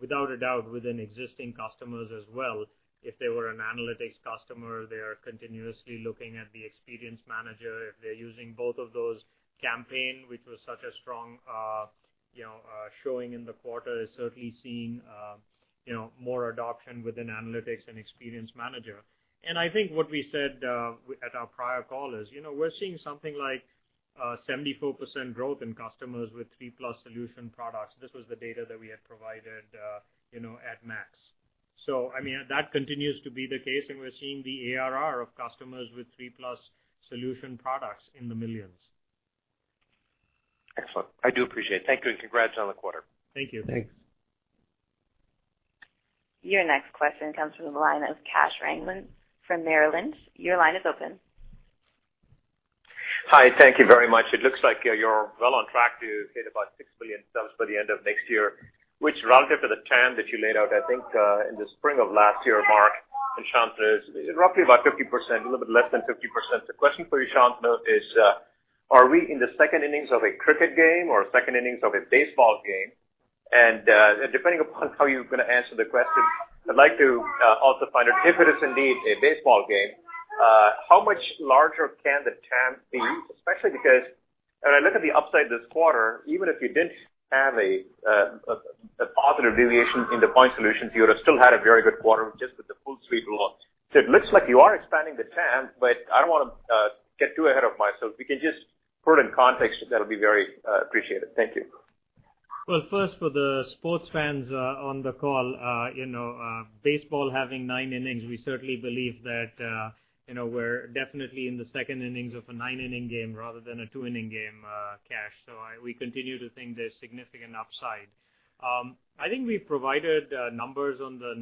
Without a doubt, within existing customers as well, if they were an Analytics customer, they are continuously looking at the Experience Manager. If they're using both of those Campaign, which was such a strong showing in the quarter, is certainly seeing more adoption within Analytics and Experience Manager. I think what we said at our prior call is, we're seeing something like 74% growth in customers with three-plus solution products. This was the data that we had provided at MAX. That continues to be the case, and we're seeing the ARR of customers with three-plus solution products in the millions. Excellent. I do appreciate it. Thank you, and congrats on the quarter. Thank you. Thanks. Your next question comes from the line of Kash Rangan from Merrill Lynch. Your line is open. Hi. Thank you very much. It looks like you're well on track to hit about $6 billion by the end of next year, which relative to the TAM that you laid out, I think, in the spring of last year, Mark and Shantanu, is roughly about 50%, a little bit less than 50%. Depending upon how you're going to answer the question, I'd like to also find out if it is indeed a baseball game, how much larger can the TAM be? Especially because when I look at the upside this quarter, even if you didn't have a positive deviation in the point solutions, you would've still had a very good quarter just with the full Suite rollout. It looks like you are expanding the TAM, but I don't want to get too ahead of myself. If you can just put it in context, that'll be very appreciated. Thank you. Well, first for the sports fans on the call, baseball having nine innings, we certainly believe that we're definitely in the second innings of a nine-inning game rather than a two-inning game, Kash. We continue to think there's significant upside. I think we've provided numbers on the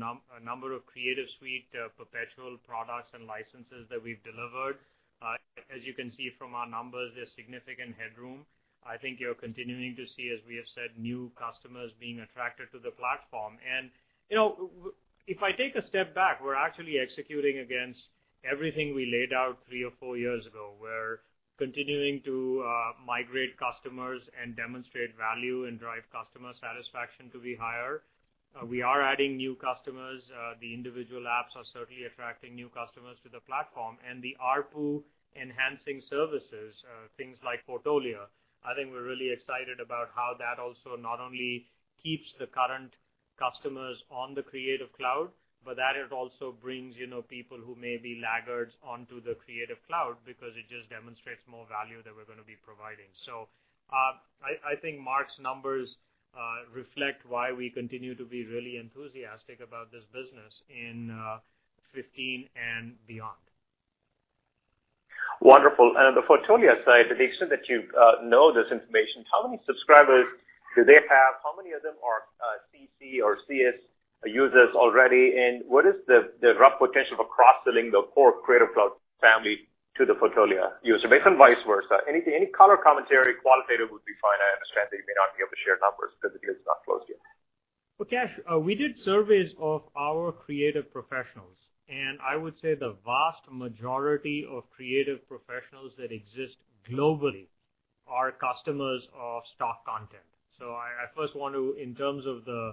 number of Creative Suite perpetual products and licenses that we've delivered. As you can see from our numbers, there's significant headroom. I think you're continuing to see, as we have said, new customers being attracted to the platform. If I take a step back, we're actually executing against everything we laid out three or four years ago. We're continuing to migrate customers and demonstrate value and drive customer satisfaction to be higher. We are adding new customers. The individual apps are certainly attracting new customers to the platform. The ARPU enhancing services, things like Fotolia, I think we're really excited about how that also not only keeps the current customers on the Creative Cloud, but that it also brings people who may be laggards onto the Creative Cloud because it just demonstrates more value that we're going to be providing. I think Mark's numbers reflect why we continue to be really enthusiastic about this business in 2015 and beyond. Wonderful. On the Fotolia side, to the extent that you know this information, how many subscribers do they have? How many of them are CC or CS users already? What is the rough potential of cross-selling the core Creative Cloud family to the Fotolia user base and vice versa? Any color commentary, qualitative would be fine. I understand that you may not be able to share numbers because the deal is not closed yet. Well, Kash, we did surveys of our creative professionals, I would say the vast majority of creative professionals that exist globally are customers of stock content. I first want to, in terms of the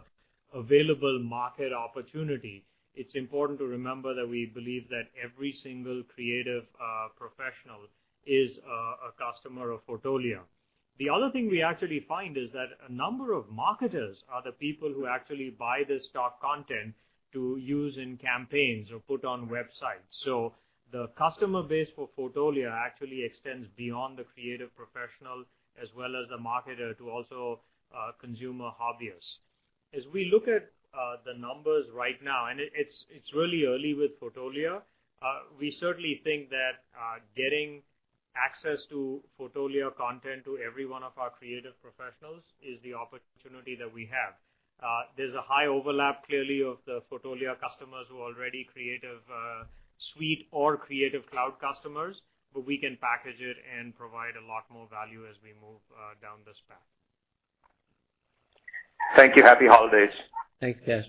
available market opportunity, it's important to remember that we believe that every single creative professional is a customer of Fotolia. The other thing we actually find is that a number of marketers are the people who actually buy the stock content to use in campaigns or put on websites. The customer base for Fotolia actually extends beyond the creative professional as well as the marketer to also consumer hobbyists. As we look at the numbers right now, it's really early with Fotolia, we certainly think that getting access to Fotolia content to every one of our creative professionals is the opportunity that we have. There's a high overlap, clearly, of the Fotolia customers who are already Creative Suite or Creative Cloud customers, we can package it and provide a lot more value as we move down this path. Thank you. Happy holidays. Thanks, Kash.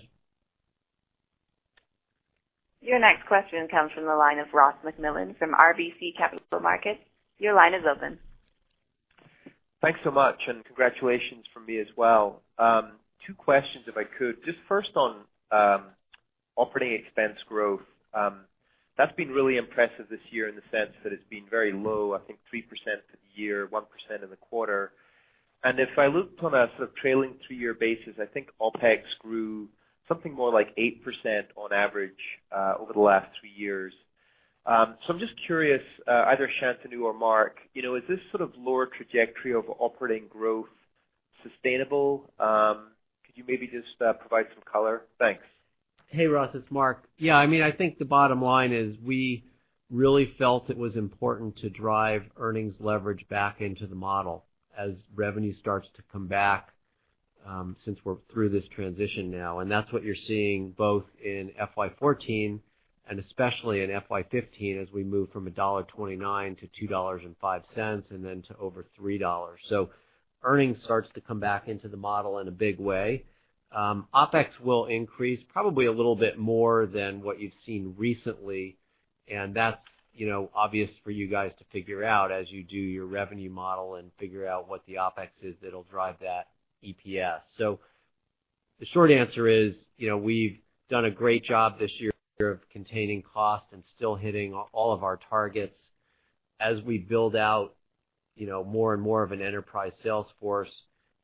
Your next question comes from the line of Ross MacMillan from RBC Capital Markets. Your line is open. Thanks so much, and congratulations from me as well. Two questions if I could. Just first on operating expense growth. That's been really impressive this year in the sense that it's been very low, I think 3% for the year, 1% in the quarter. If I look from a sort of trailing three-year basis, I think OpEx grew something more like 8% on average over the last three years. I'm just curious, either Shantanu or Mark, is this sort of lower trajectory of operating growth sustainable? Could you maybe just provide some color? Thanks. Hey, Ross, it's Mark. Yeah, I think the bottom line is we really felt it was important to drive earnings leverage back into the model as revenue starts to come back, since we're through this transition now. That's what you're seeing both in FY 2014 and especially in FY 2015, as we move from $1.29 to $2.05, and then to over $3. Earnings starts to come back into the model in a big way. OpEx will increase probably a little bit more than what you've seen recently, that's obvious for you guys to figure out as you do your revenue model and figure out what the OpEx is that'll drive that EPS. The short answer is, we've done a great job this year of containing cost and still hitting all of our targets. As we build out more and more of an enterprise sales force,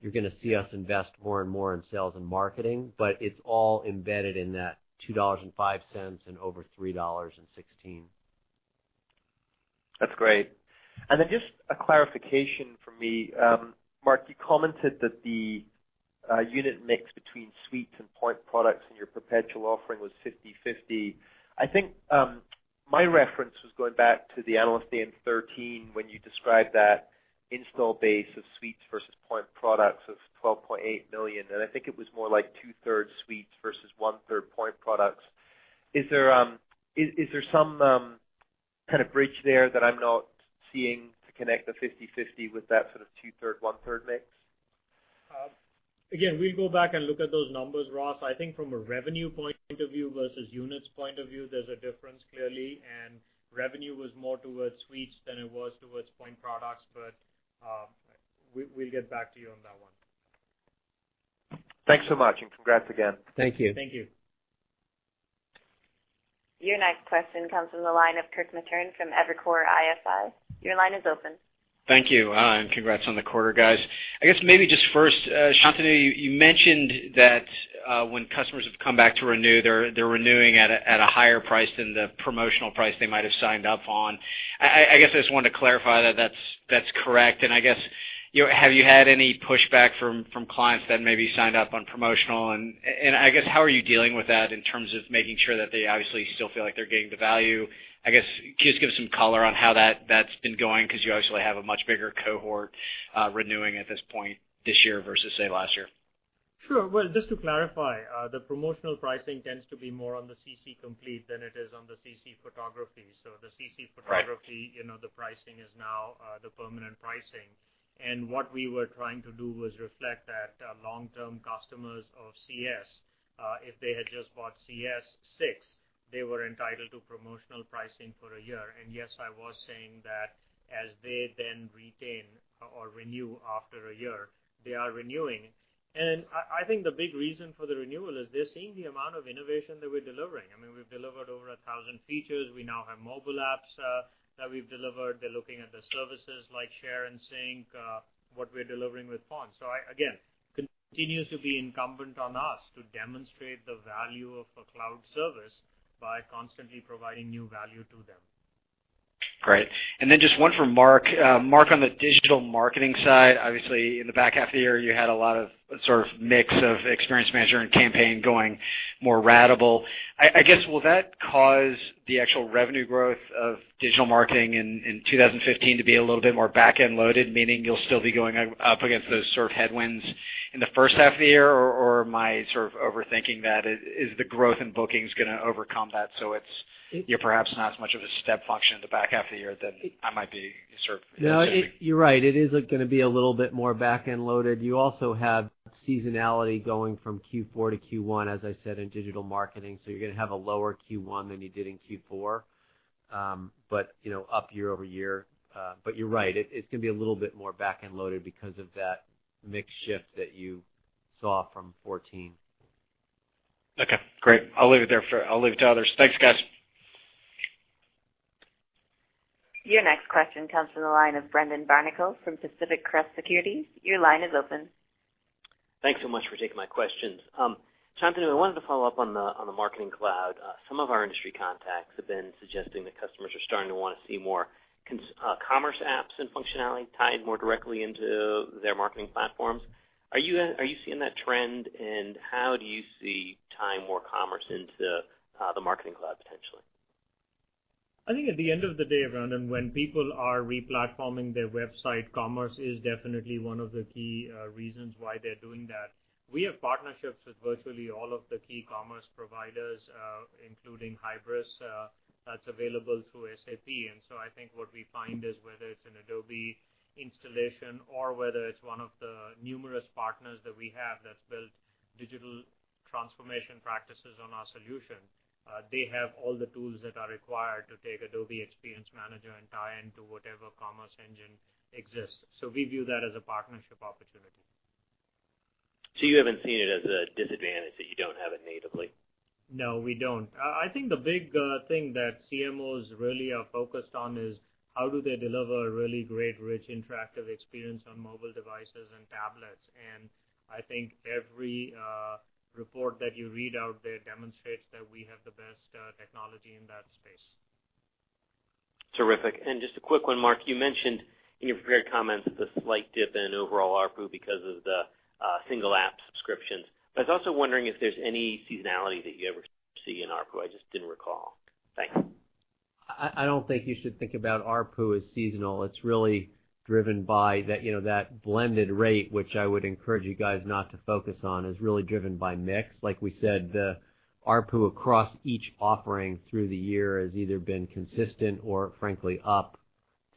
you're going to see us invest more and more in sales and marketing, it's all embedded in that $2.05 and over $3.16. That's great. Just a clarification from me. Mark, you commented that the unit mix between suites and point products in your perpetual offering was 50/50. I think my reference was going back to the Analyst Day in 2013, when you described that install base of suites versus point products of 12.8 million, I think it was more like two-thirds suites versus one-third point products. Is there some kind of bridge there that I'm not seeing to connect the 50/50 with that sort of two-third, one-third mix? We'll go back and look at those numbers, Ross. I think from a revenue point of view versus units point of view, there's a difference clearly, revenue was more towards suites than it was towards point products. We'll get back to you on that one. Thanks so much, congrats again. Thank you. Thank you. Your next question comes from the line of Kirk Materne from Evercore ISI. Your line is open. Thank you. Congrats on the quarter, guys. I guess maybe just first, Shantanu, you mentioned that when customers have come back to renew, they're renewing at a higher price than the promotional price they might have signed up on. I guess I just wanted to clarify that that's correct, and I guess, have you had any pushback from clients that maybe signed up on promotional? I guess, how are you dealing with that in terms of making sure that they obviously still feel like they're getting the value? I guess, can you just give some color on how that's been going because you obviously have a much bigger cohort renewing at this point this year versus, say, last year. Sure. Well, just to clarify, the promotional pricing tends to be more on the CC Complete than it is on the CC Photography. The CC Photography. Right the pricing is now the permanent pricing. What we were trying to do was reflect that long-term customers of CS, if they had just bought CS6, they were entitled to promotional pricing for one year. Yes, I was saying that as they then retain or renew after one year, they are renewing. I think the big reason for the renewal is they're seeing the amount of innovation that we're delivering. We've delivered over 1,000 features. We now have mobile apps that we've delivered. They're looking at the services like Share and Sync, what we're delivering with Fonts. Again, continues to be incumbent on us to demonstrate the value of a cloud service by constantly providing new value to them. Great. Then just one for Mark. Mark, on the Digital Marketing side, obviously in the back half of the year, you had a lot of mix of Adobe Experience Manager and Adobe Campaign going more ratable. I guess, will that cause the actual revenue growth of Digital Marketing in 2015 to be a little bit more back-end loaded, meaning you'll still be going up against those sort of headwinds in the first half of the year? Am I overthinking that? Is the growth in bookings going to overcome that, it's perhaps not as much of a step function in the back half of the year than I might be assuming? No, you're right. It is going to be a little bit more back-end loaded. You also have seasonality going from Q4 to Q1, as I said, in Digital Marketing, you're going to have a lower Q1 than you did in Q4. Up year-over-year. You're right. It's going to be a little bit more back-end loaded because of that mix shift that you saw from 2014. Okay, great. I'll leave it to others. Thanks, guys. Your next question comes from the line of Brendan Barnicle from Pacific Crest Securities. Your line is open. Thanks so much for taking my questions. Shantanu, I wanted to follow up on the Marketing Cloud. Some of our industry contacts have been suggesting that customers are starting to want to see more commerce apps and functionality tied more directly into their marketing platforms. Are you seeing that trend, and how do you see tying more commerce into the Marketing Cloud potentially? I think at the end of the day, Brendan, when people are re-platforming their website, commerce is definitely one of the key reasons why they're doing that. We have partnerships with virtually all of the key commerce providers, including Hybris, that's available through SAP. I think what we find is whether it's an Adobe installation or whether it's one of the numerous partners that we have that's built digital transformation practices on our solution, they have all the tools that are required to take Adobe Experience Manager and tie into whatever commerce engine exists. We view that as a partnership opportunity. You haven't seen it as a disadvantage that you don't have it natively? No, we don't. I think the big thing that CMOs really are focused on is how do they deliver a really great, rich, interactive experience on mobile devices and tablets. I think every report that you read out there demonstrates that we have the best technology in that space. Terrific. Just a quick one, Mark, you mentioned in your prepared comments the slight dip in overall ARPU because of the single app subscriptions. I was also wondering if there's any seasonality that you ever see in ARPU. I just didn't recall. Thanks. I don't think you should think about ARPU as seasonal. It's really driven by that blended rate, which I would encourage you guys not to focus on, is really driven by mix. Like we said, the ARPU across each offering through the year has either been consistent or frankly, up.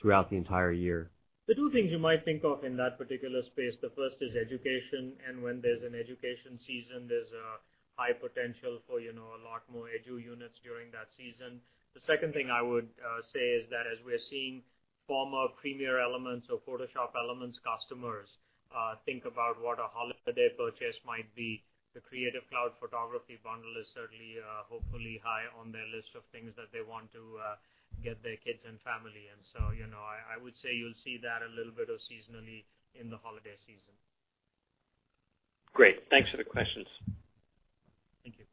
Throughout the entire year. The two things you might think of in that particular space, the first is education. When there's an education season, there's a high potential for a lot more edu units during that season. The second thing I would say is that as we're seeing former Premiere Elements or Photoshop Elements customers think about what a holiday purchase might be, the Creative Cloud Photography plan is certainly, hopefully high on their list of things that they want to get their kids and family. I would say you'll see that a little bit of seasonally in the holiday season. Great. Thanks for the questions. Thank you.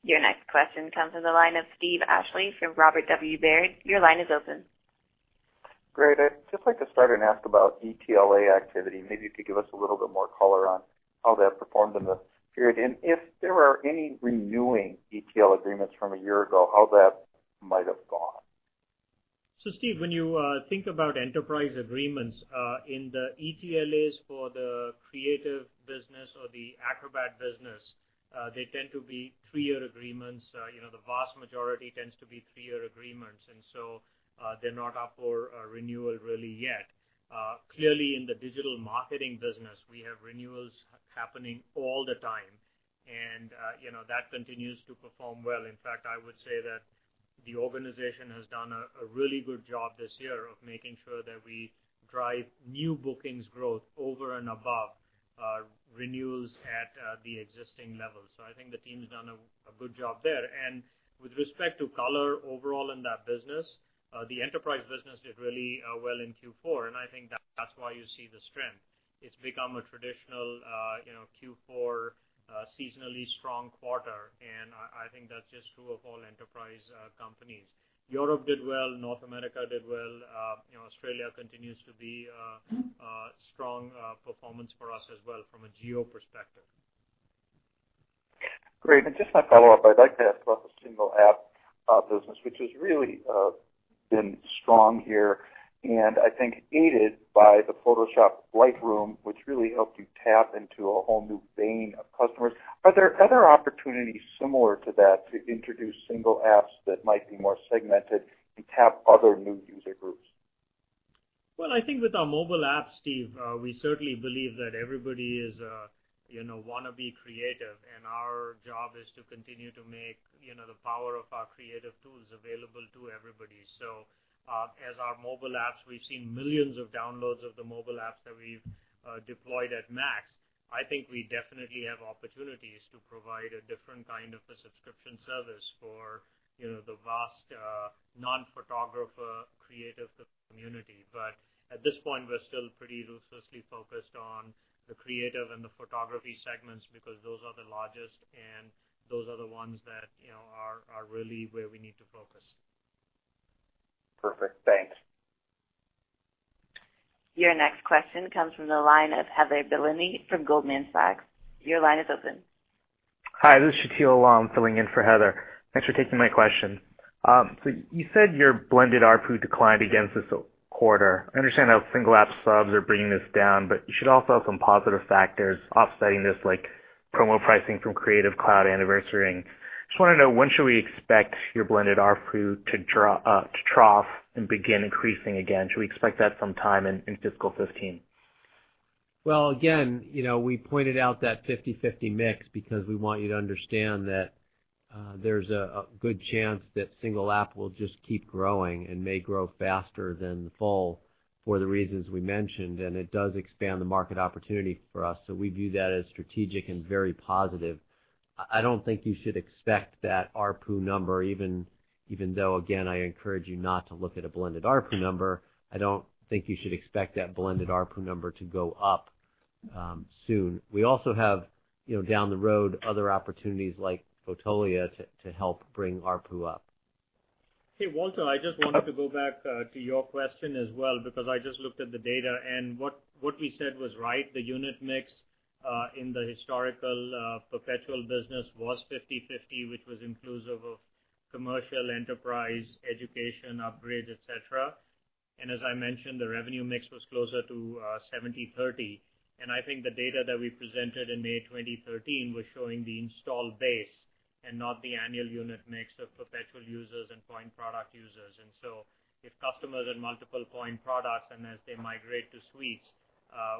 Your next question comes from the line of Steve Ashley from Robert W. Baird. Your line is open. Great. I'd just like to start and ask about ETLA activity. Maybe you could give us a little bit more color on how that performed in the period, and if there are any renewing ETLA agreements from a year ago, how that might have gone. Steve, when you think about enterprise agreements, in the ETLAs for the creative business or the Acrobat business, they tend to be 3-year agreements. The vast majority tends to be 3-year agreements, they're not up for a renewal really yet. Clearly, in the digital marketing business, we have renewals happening all the time, that continues to perform well. In fact, I would say that the organization has done a really good job this year of making sure that we drive new bookings growth over and above renewals at the existing levels. I think the team's done a good job there. With respect to color overall in that business, the enterprise business did really well in Q4, I think that's why you see the strength. It's become a traditional Q4 seasonally strong quarter, I think that's just true of all enterprise companies. Europe did well, North America did well. Australia continues to be a strong performance for us as well from a geo perspective. Great. Just to follow up, I'd like to ask about the single app business, which has really been strong here, I think aided by the Photoshop Lightroom, which really helped you tap into a whole new vein of customers. Are there other opportunities similar to that to introduce single apps that might be more segmented to tap other new user groups? I think with our mobile apps, Steve, we certainly believe that everybody is a wannabe creative, our job is to continue to make the power of our creative tools available to everybody. As our mobile apps, we've seen millions of downloads of the mobile apps that we've deployed at MAX. I think we definitely have opportunities to provide a different kind of a subscription service for the vast non-photographer creative community. At this point, we're still pretty ruthlessly focused on the creative and the photography segments because those are the largest, those are the ones that are really where we need to focus. Perfect. Thanks. Your next question comes from the line of Heather Bellini from Goldman Sachs. Your line is open. Hi, this is Shatil, I'm filling in for Heather. Thanks for taking my question. You said your blended ARPU declined against this quarter. I understand how single app subs are bringing this down, but you should also have some positive factors offsetting this, like promo pricing from Creative Cloud anniversarying. When should we expect your blended ARPU to trough and begin increasing again? Should we expect that sometime in fiscal 2015? Again, we pointed out that 50/50 mix because we want you to understand that there's a good chance that single app will just keep growing and may grow faster than the full for the reasons we mentioned, and it does expand the market opportunity for us. We view that as strategic and very positive. I don't think you should expect that ARPU number even though, again, I encourage you not to look at a blended ARPU number. I don't think you should expect that blended ARPU number to go up soon. We also have, down the road, other opportunities like Fotolia to help bring ARPU up. Hey, Walter, I just wanted to go back to your question as well because I just looked at the data and what we said was right, the unit mix in the historical perpetual business was 50/50, which was inclusive of commercial enterprise, education, upgrades, et cetera. As I mentioned, the revenue mix was closer to 70/30. I think the data that we presented in May 2013 was showing the install base and not the annual unit mix of perpetual users and point product users. If customers had multiple point products, and as they migrate to suites,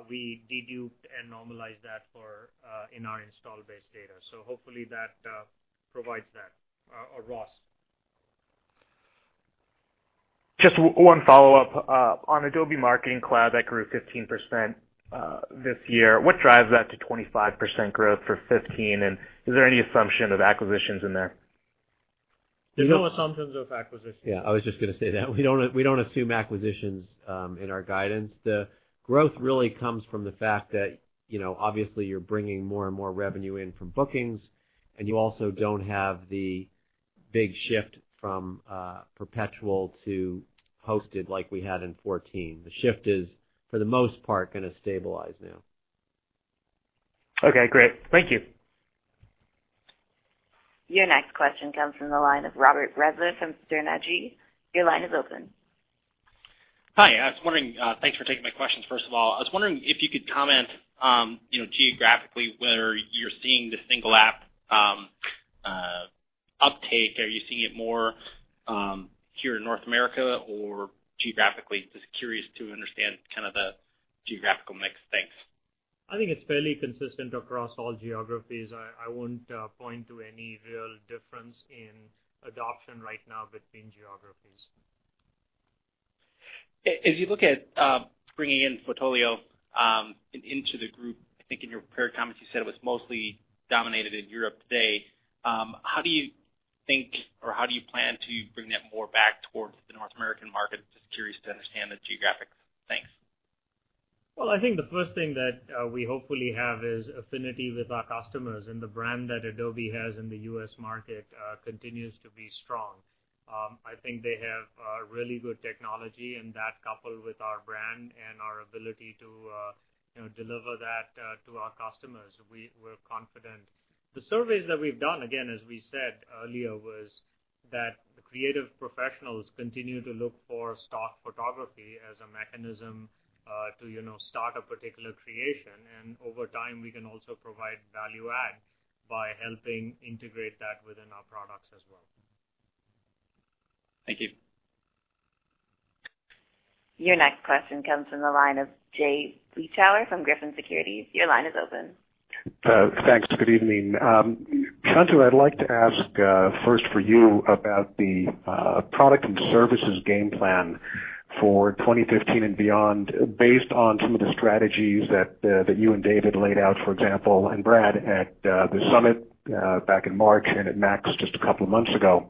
we deduped and normalized that in our install base data. Hopefully that provides that. Ross. Just one follow-up. On Adobe Marketing Cloud, that grew 15% this year. What drives that to 25% growth for 2015, is there any assumption of acquisitions in there? There's no assumptions of acquisitions. Yeah, I was just going to say that. We don't assume acquisitions in our guidance. The growth really comes from the fact that, obviously you're bringing more and more revenue in from bookings, you also don't have the big shift from perpetual to hosted like we had in 2014. The shift is, for the most part, going to stabilize now. Okay, great. Thank you. Your next question comes from the line of Robert Breza from Sterne Agee. Your line is open. Hi. Thanks for taking my questions, first of all. I was wondering if you could comment, geographically, whether you're seeing the single app uptake, are you seeing it more here in North America or geographically? Just curious to understand the geographical mix. Thanks. I think it's fairly consistent across all geographies. I wouldn't point to any real difference in adoption right now between geographies. As you look at bringing in Fotolia into the group, I think in your prepared comments, you said it was mostly dominated in Europe today. How do you think, or how do you plan to bring that more back towards the North American market? Just curious to understand the geographics. Thanks. Well, I think the first thing that we hopefully have is affinity with our customers, and the brand that Adobe has in the U.S. market continues to be strong. I think they have a really good technology, and that coupled with our brand and our ability to deliver that to our customers, we're confident. The surveys that we've done, again, as we said earlier, was that creative professionals continue to look for stock photography as a mechanism to start a particular creation. Over time, we can also provide value add by helping integrate that within our products as well. Thank you. Your next question comes from the line of Jay Vleeschhouwer from Griffin Securities. Your line is open. Thanks. Good evening. Shantanu, I'd like to ask first for you about the product and services game plan for 2015 and beyond, based on some of the strategies that you and David laid out, for example, and Brad at the Adobe Summit back in March, and at Adobe MAX just a couple of months ago.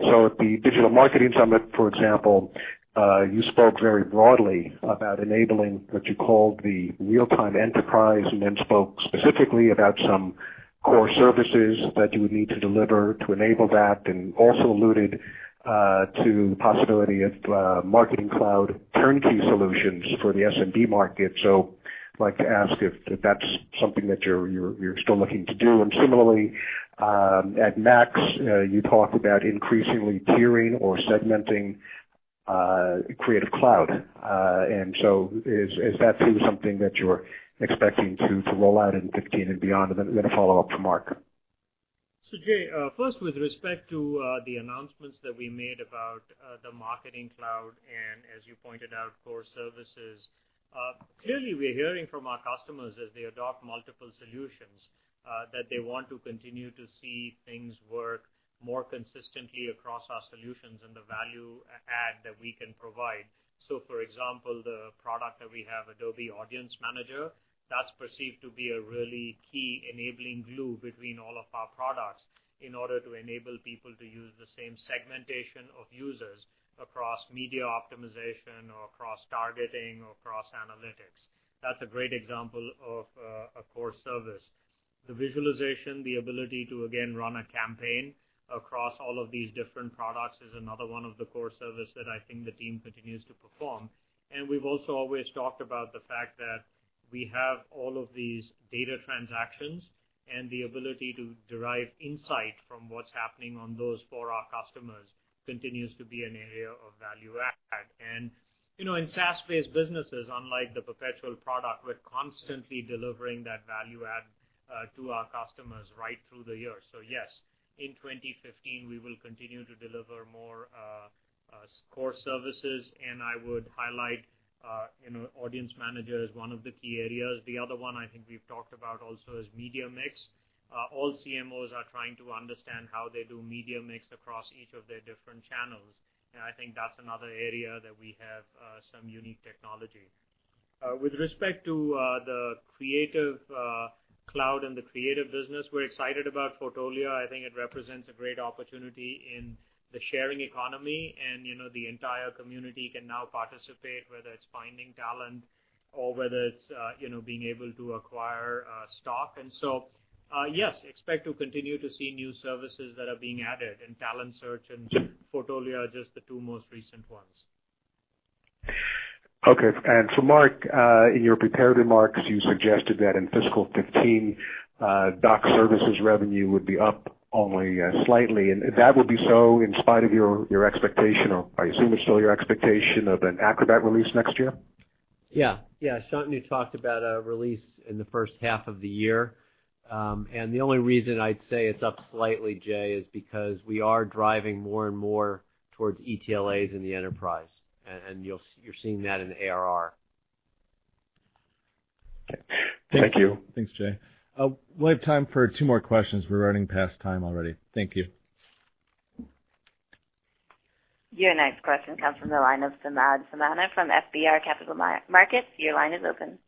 At the Digital Marketing Summit, for example, you spoke very broadly about enabling what you called the real-time enterprise, then spoke specifically about some core services that you would need to deliver to enable that, also alluded to the possibility of Marketing Cloud turnkey solutions for the SMB market. I'd like to ask if that's something that you're still looking to do. Similarly, at Adobe MAX, you talked about increasingly tiering or segmenting Creative Cloud. Is that something that you're expecting to roll out in 2015 and beyond? I'm going to follow up to Mark. Jay, first, with respect to the announcements that we made about the Marketing Cloud, as you pointed out, core services. Clearly we are hearing from our customers as they adopt multiple solutions that they want to continue to see things work more consistently across our solutions and the value add that we can provide. For example, the product that we have, Adobe Audience Manager, that's perceived to be a really key enabling glue between all of our products in order to enable people to use the same segmentation of users across media optimization or across targeting or across analytics. That's a great example of a core service. The visualization, the ability to, again, run a campaign across all of these different products is another one of the core service that I think the team continues to perform. We've also always talked about the fact that we have all of these data transactions, the ability to derive insight from what's happening on those for our customers continues to be an area of value add. In SaaS-based businesses, unlike the perpetual product, we're constantly delivering that value add to our customers right through the year. Yes, in 2015, we will continue to deliver more core services, I would highlight Adobe Audience Manager as one of the key areas. The other one I think we've talked about also is media mix. All CMOs are trying to understand how they do media mix across each of their different channels. I think that's another area that we have some unique technology. With respect to the Creative Cloud and the creative business, we're excited about Fotolia. I think it represents a great opportunity in the sharing economy, and the entire community can now participate, whether it's finding Talent Search or whether it's being able to acquire stock. Yes, expect to continue to see new services that are being added, and Talent Search and Fotolia are just the two most recent ones. Okay. Mark, in your prepared remarks, you suggested that in fiscal 2015, Doc Services revenue would be up only slightly, and that would be so in spite of your expectation, or I assume it's still your expectation of an Acrobat release next year? Yeah. Shantanu talked about a release in the first half of the year. The only reason I'd say it's up slightly, Jay, is because we are driving more and more towards ETLAs in the enterprise, and you're seeing that in ARR. Okay. Thank you. Thanks, Jay. We have time for two more questions. We're running past time already. Thank you. Your next question comes from the line of Samad Samana from FBR Capital Markets. Your line is open.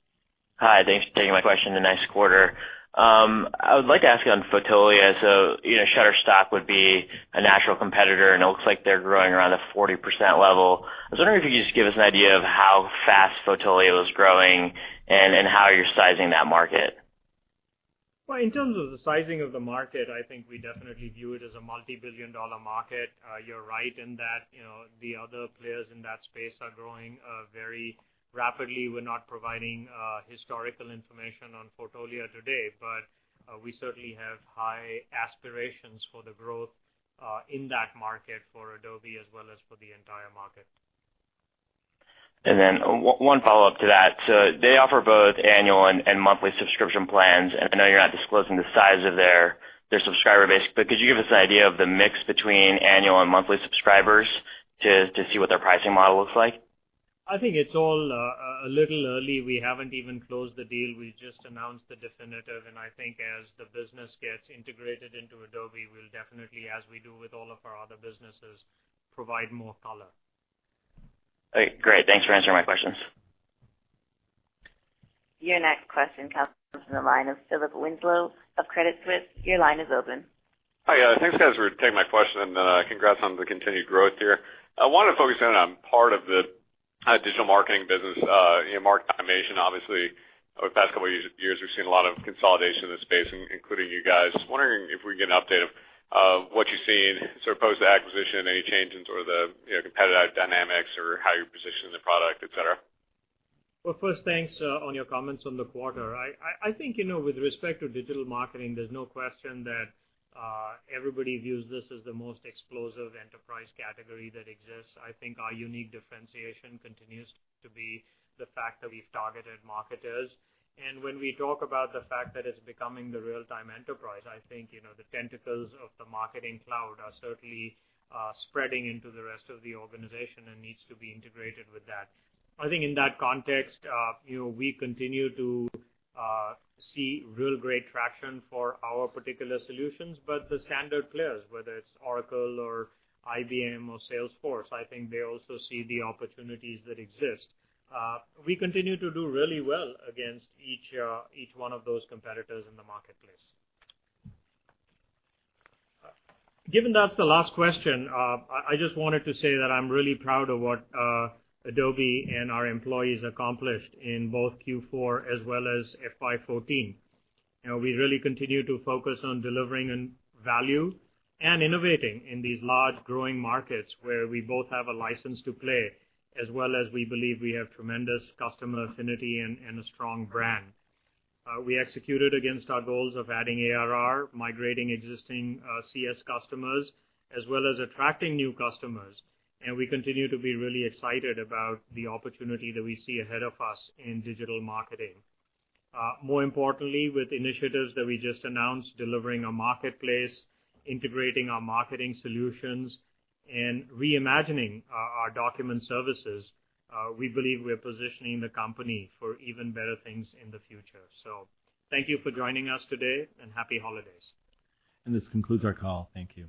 Hi, thanks for taking my question. The next quarter, I would like to ask you on Fotolia. Shutterstock would be a natural competitor, and it looks like they're growing around the 40% level. I was wondering if you could just give us an idea of how fast Fotolia is growing and how you're sizing that market. In terms of the sizing of the market, I think we definitely view it as a multi-billion dollar market. You're right in that the other players in that space are growing very rapidly. We're not providing historical information on Fotolia today, but we certainly have high aspirations for the growth in that market for Adobe as well as for the entire market. One follow-up to that. They offer both annual and monthly subscription plans, and I know you're not disclosing the size of their subscriber base. Could you give us an idea of the mix between annual and monthly subscribers to see what their pricing model looks like? I think it's all a little early. We haven't even closed the deal. We just announced the definitive, as the business gets integrated into Adobe, we'll definitely, as we do with all of our other businesses, provide more color. Great. Thanks for answering my questions. Your next question comes from the line of Philip Winslow of Credit Suisse. Your line is open. Hi. Thanks, guys, for taking my question and congrats on the continued growth here. I want to focus in on part of the digital marketing business, marketing automation, obviously, over the past couple of years, we've seen a lot of consolidation in the space, including you guys. Wondering if we can get an update of what you're seeing sort of post-acquisition, any change in sort of the competitive dynamics or how you're positioning the product, et cetera. First, thanks on your comments on the quarter. With respect to Digital Marketing, there's no question that everybody views this as the most explosive enterprise category that exists. Our unique differentiation continues to be the fact that we've targeted marketers. When we talk about the fact that it's becoming the real-time enterprise, the tentacles of the Marketing Cloud are certainly spreading into the rest of the organization and needs to be integrated with that. In that context, we continue to see real great traction for our particular solutions, but the standard players, whether it's Oracle or IBM or Salesforce, they also see the opportunities that exist. We continue to do really well against each one of those competitors in the marketplace. Given that's the last question, I just wanted to say that I'm really proud of what Adobe and our employees accomplished in both Q4 as well as FY 2014. We really continue to focus on delivering value and innovating in these large growing markets where we both have a license to play, as well as we believe we have tremendous customer affinity and a strong brand. We executed against our goals of adding ARR, migrating existing CS customers, as well as attracting new customers, and we continue to be really excited about the opportunity that we see ahead of us in Digital Marketing. More importantly, with initiatives that we just announced, delivering a marketplace, integrating our marketing solutions, and reimagining our Document Services, we believe we're positioning the company for even better things in the future. Thank you for joining us today, and happy holidays. This concludes our call. Thank you.